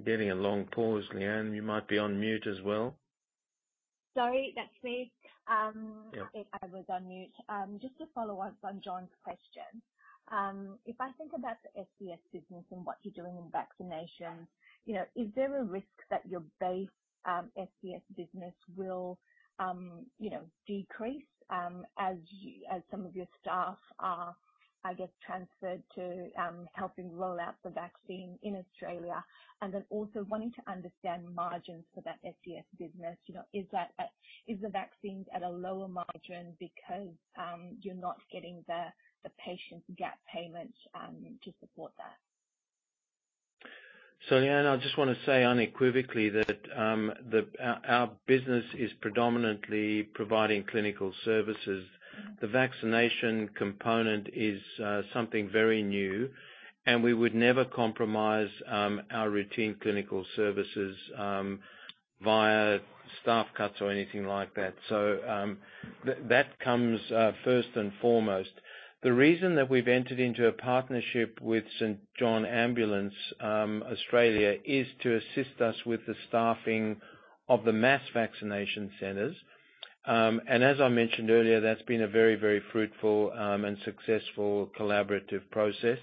Speaker 1: Getting a long pause, Lyanne. You might be on mute as well.
Speaker 14: Sorry, that's me.
Speaker 1: Yeah.
Speaker 14: I think I was on mute. Just to follow up on John's question. If I think about the SCS business and what you're doing in vaccination, is there a risk that your base SCS business will decrease as some of your staff are, I guess, transferred to helping roll out the vaccine in Australia? Also wanting to understand margins for that SCS business, is the vaccines at a lower margin because you're not getting the patient gap payments to support that?
Speaker 1: Lyanne, I just want to say unequivocally that our business is predominantly providing clinical services. The vaccination component is something very new, and we would never compromise our routine clinical services via staff cuts or anything like that. That comes first and foremost. The reason that we've entered into a partnership with St John Ambulance Australia is to assist us with the staffing of the mass vaccination centers. As I mentioned earlier, that's been a very, very fruitful and successful collaborative process.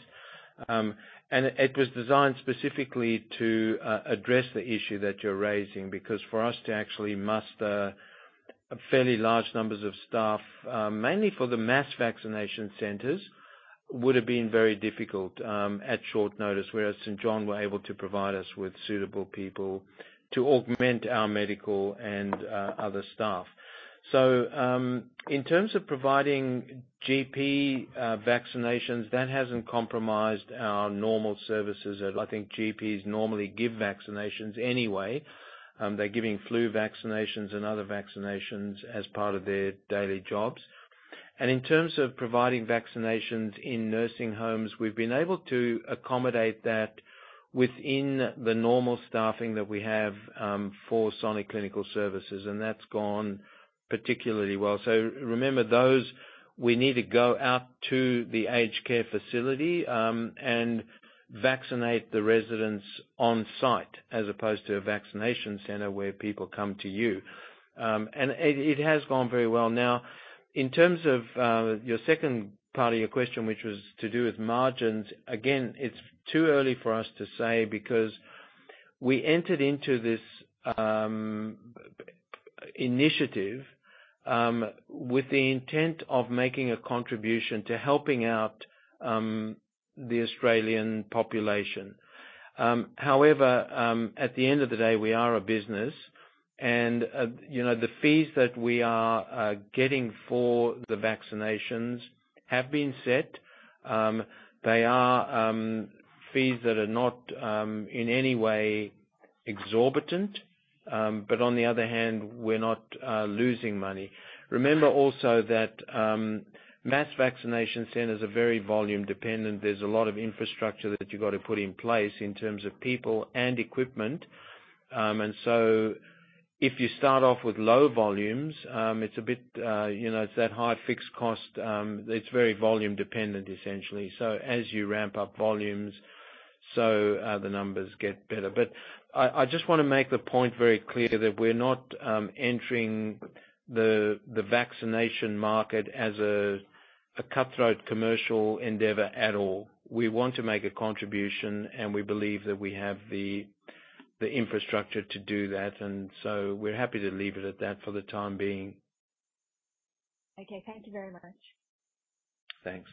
Speaker 1: It was designed specifically to address the issue that you're raising, because for us to actually muster fairly large numbers of staff, mainly for the mass vaccination centers, would have been very difficult at short notice, whereas St John were able to provide us with suitable people to augment our medical and other staff. In terms of providing GP vaccinations, that hasn't compromised our normal services. I think GPs normally give vaccinations anyway. They're giving flu vaccinations and other vaccinations as part of their daily jobs. In terms of providing vaccinations in nursing homes, we've been able to accommodate that within the normal staffing that we have, for Sonic Clinical Services, and that's gone particularly well. Remember those, we need to go out to the aged care facility, and vaccinate the residents on-site as opposed to a vaccination center where people come to you. It has gone very well. Now, in terms of your second part of your question, which was to do with margins. Again, it's too early for us to say because we entered into this initiative with the intent of making a contribution to helping out the Australian population. However, at the end of the day, we are a business and the fees that we are getting for the vaccinations have been set. They are fees that are not in any way exorbitant, but on the other hand, we're not losing money. Remember also that mass vaccination centers are very volume-dependent. There's a lot of infrastructure that you've got to put in place in terms of people and equipment. If you start off with low volumes, it's that high fixed cost. It's very volume dependent essentially. As you ramp up volumes, so the numbers get better. I just want to make the point very clear that we're not entering the vaccination market as a cutthroat commercial endeavor at all. We want to make a contribution, and we believe that we have the infrastructure to do that, we're happy to leave it at that for the time being.
Speaker 14: Okay. Thank you very much.
Speaker 1: Thanks.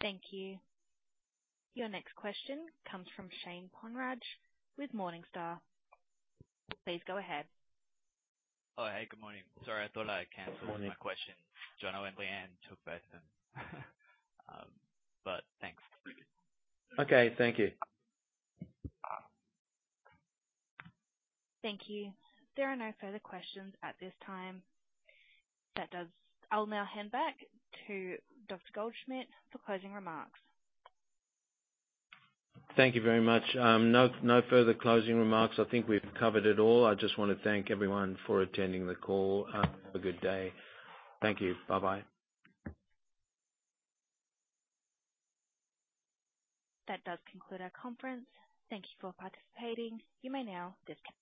Speaker 2: Thank you. Your next question comes from Shane Ponraj with Morningstar. Please go ahead. Oh, hey, good morning.
Speaker 17: Morning. My question. John and Lyanne took that then. Thanks.
Speaker 1: Okay. Thank you.
Speaker 2: Thank you. There are no further questions at this time. I will now hand back to Colin Goldschmidt for closing remarks.
Speaker 1: Thank you very much. No further closing remarks. I think we've covered it all. I just want to thank everyone for attending the call. Have a good day. Thank you. Bye-bye.
Speaker 2: That does conclude our conference. Thank you for participating. You may now disconnect.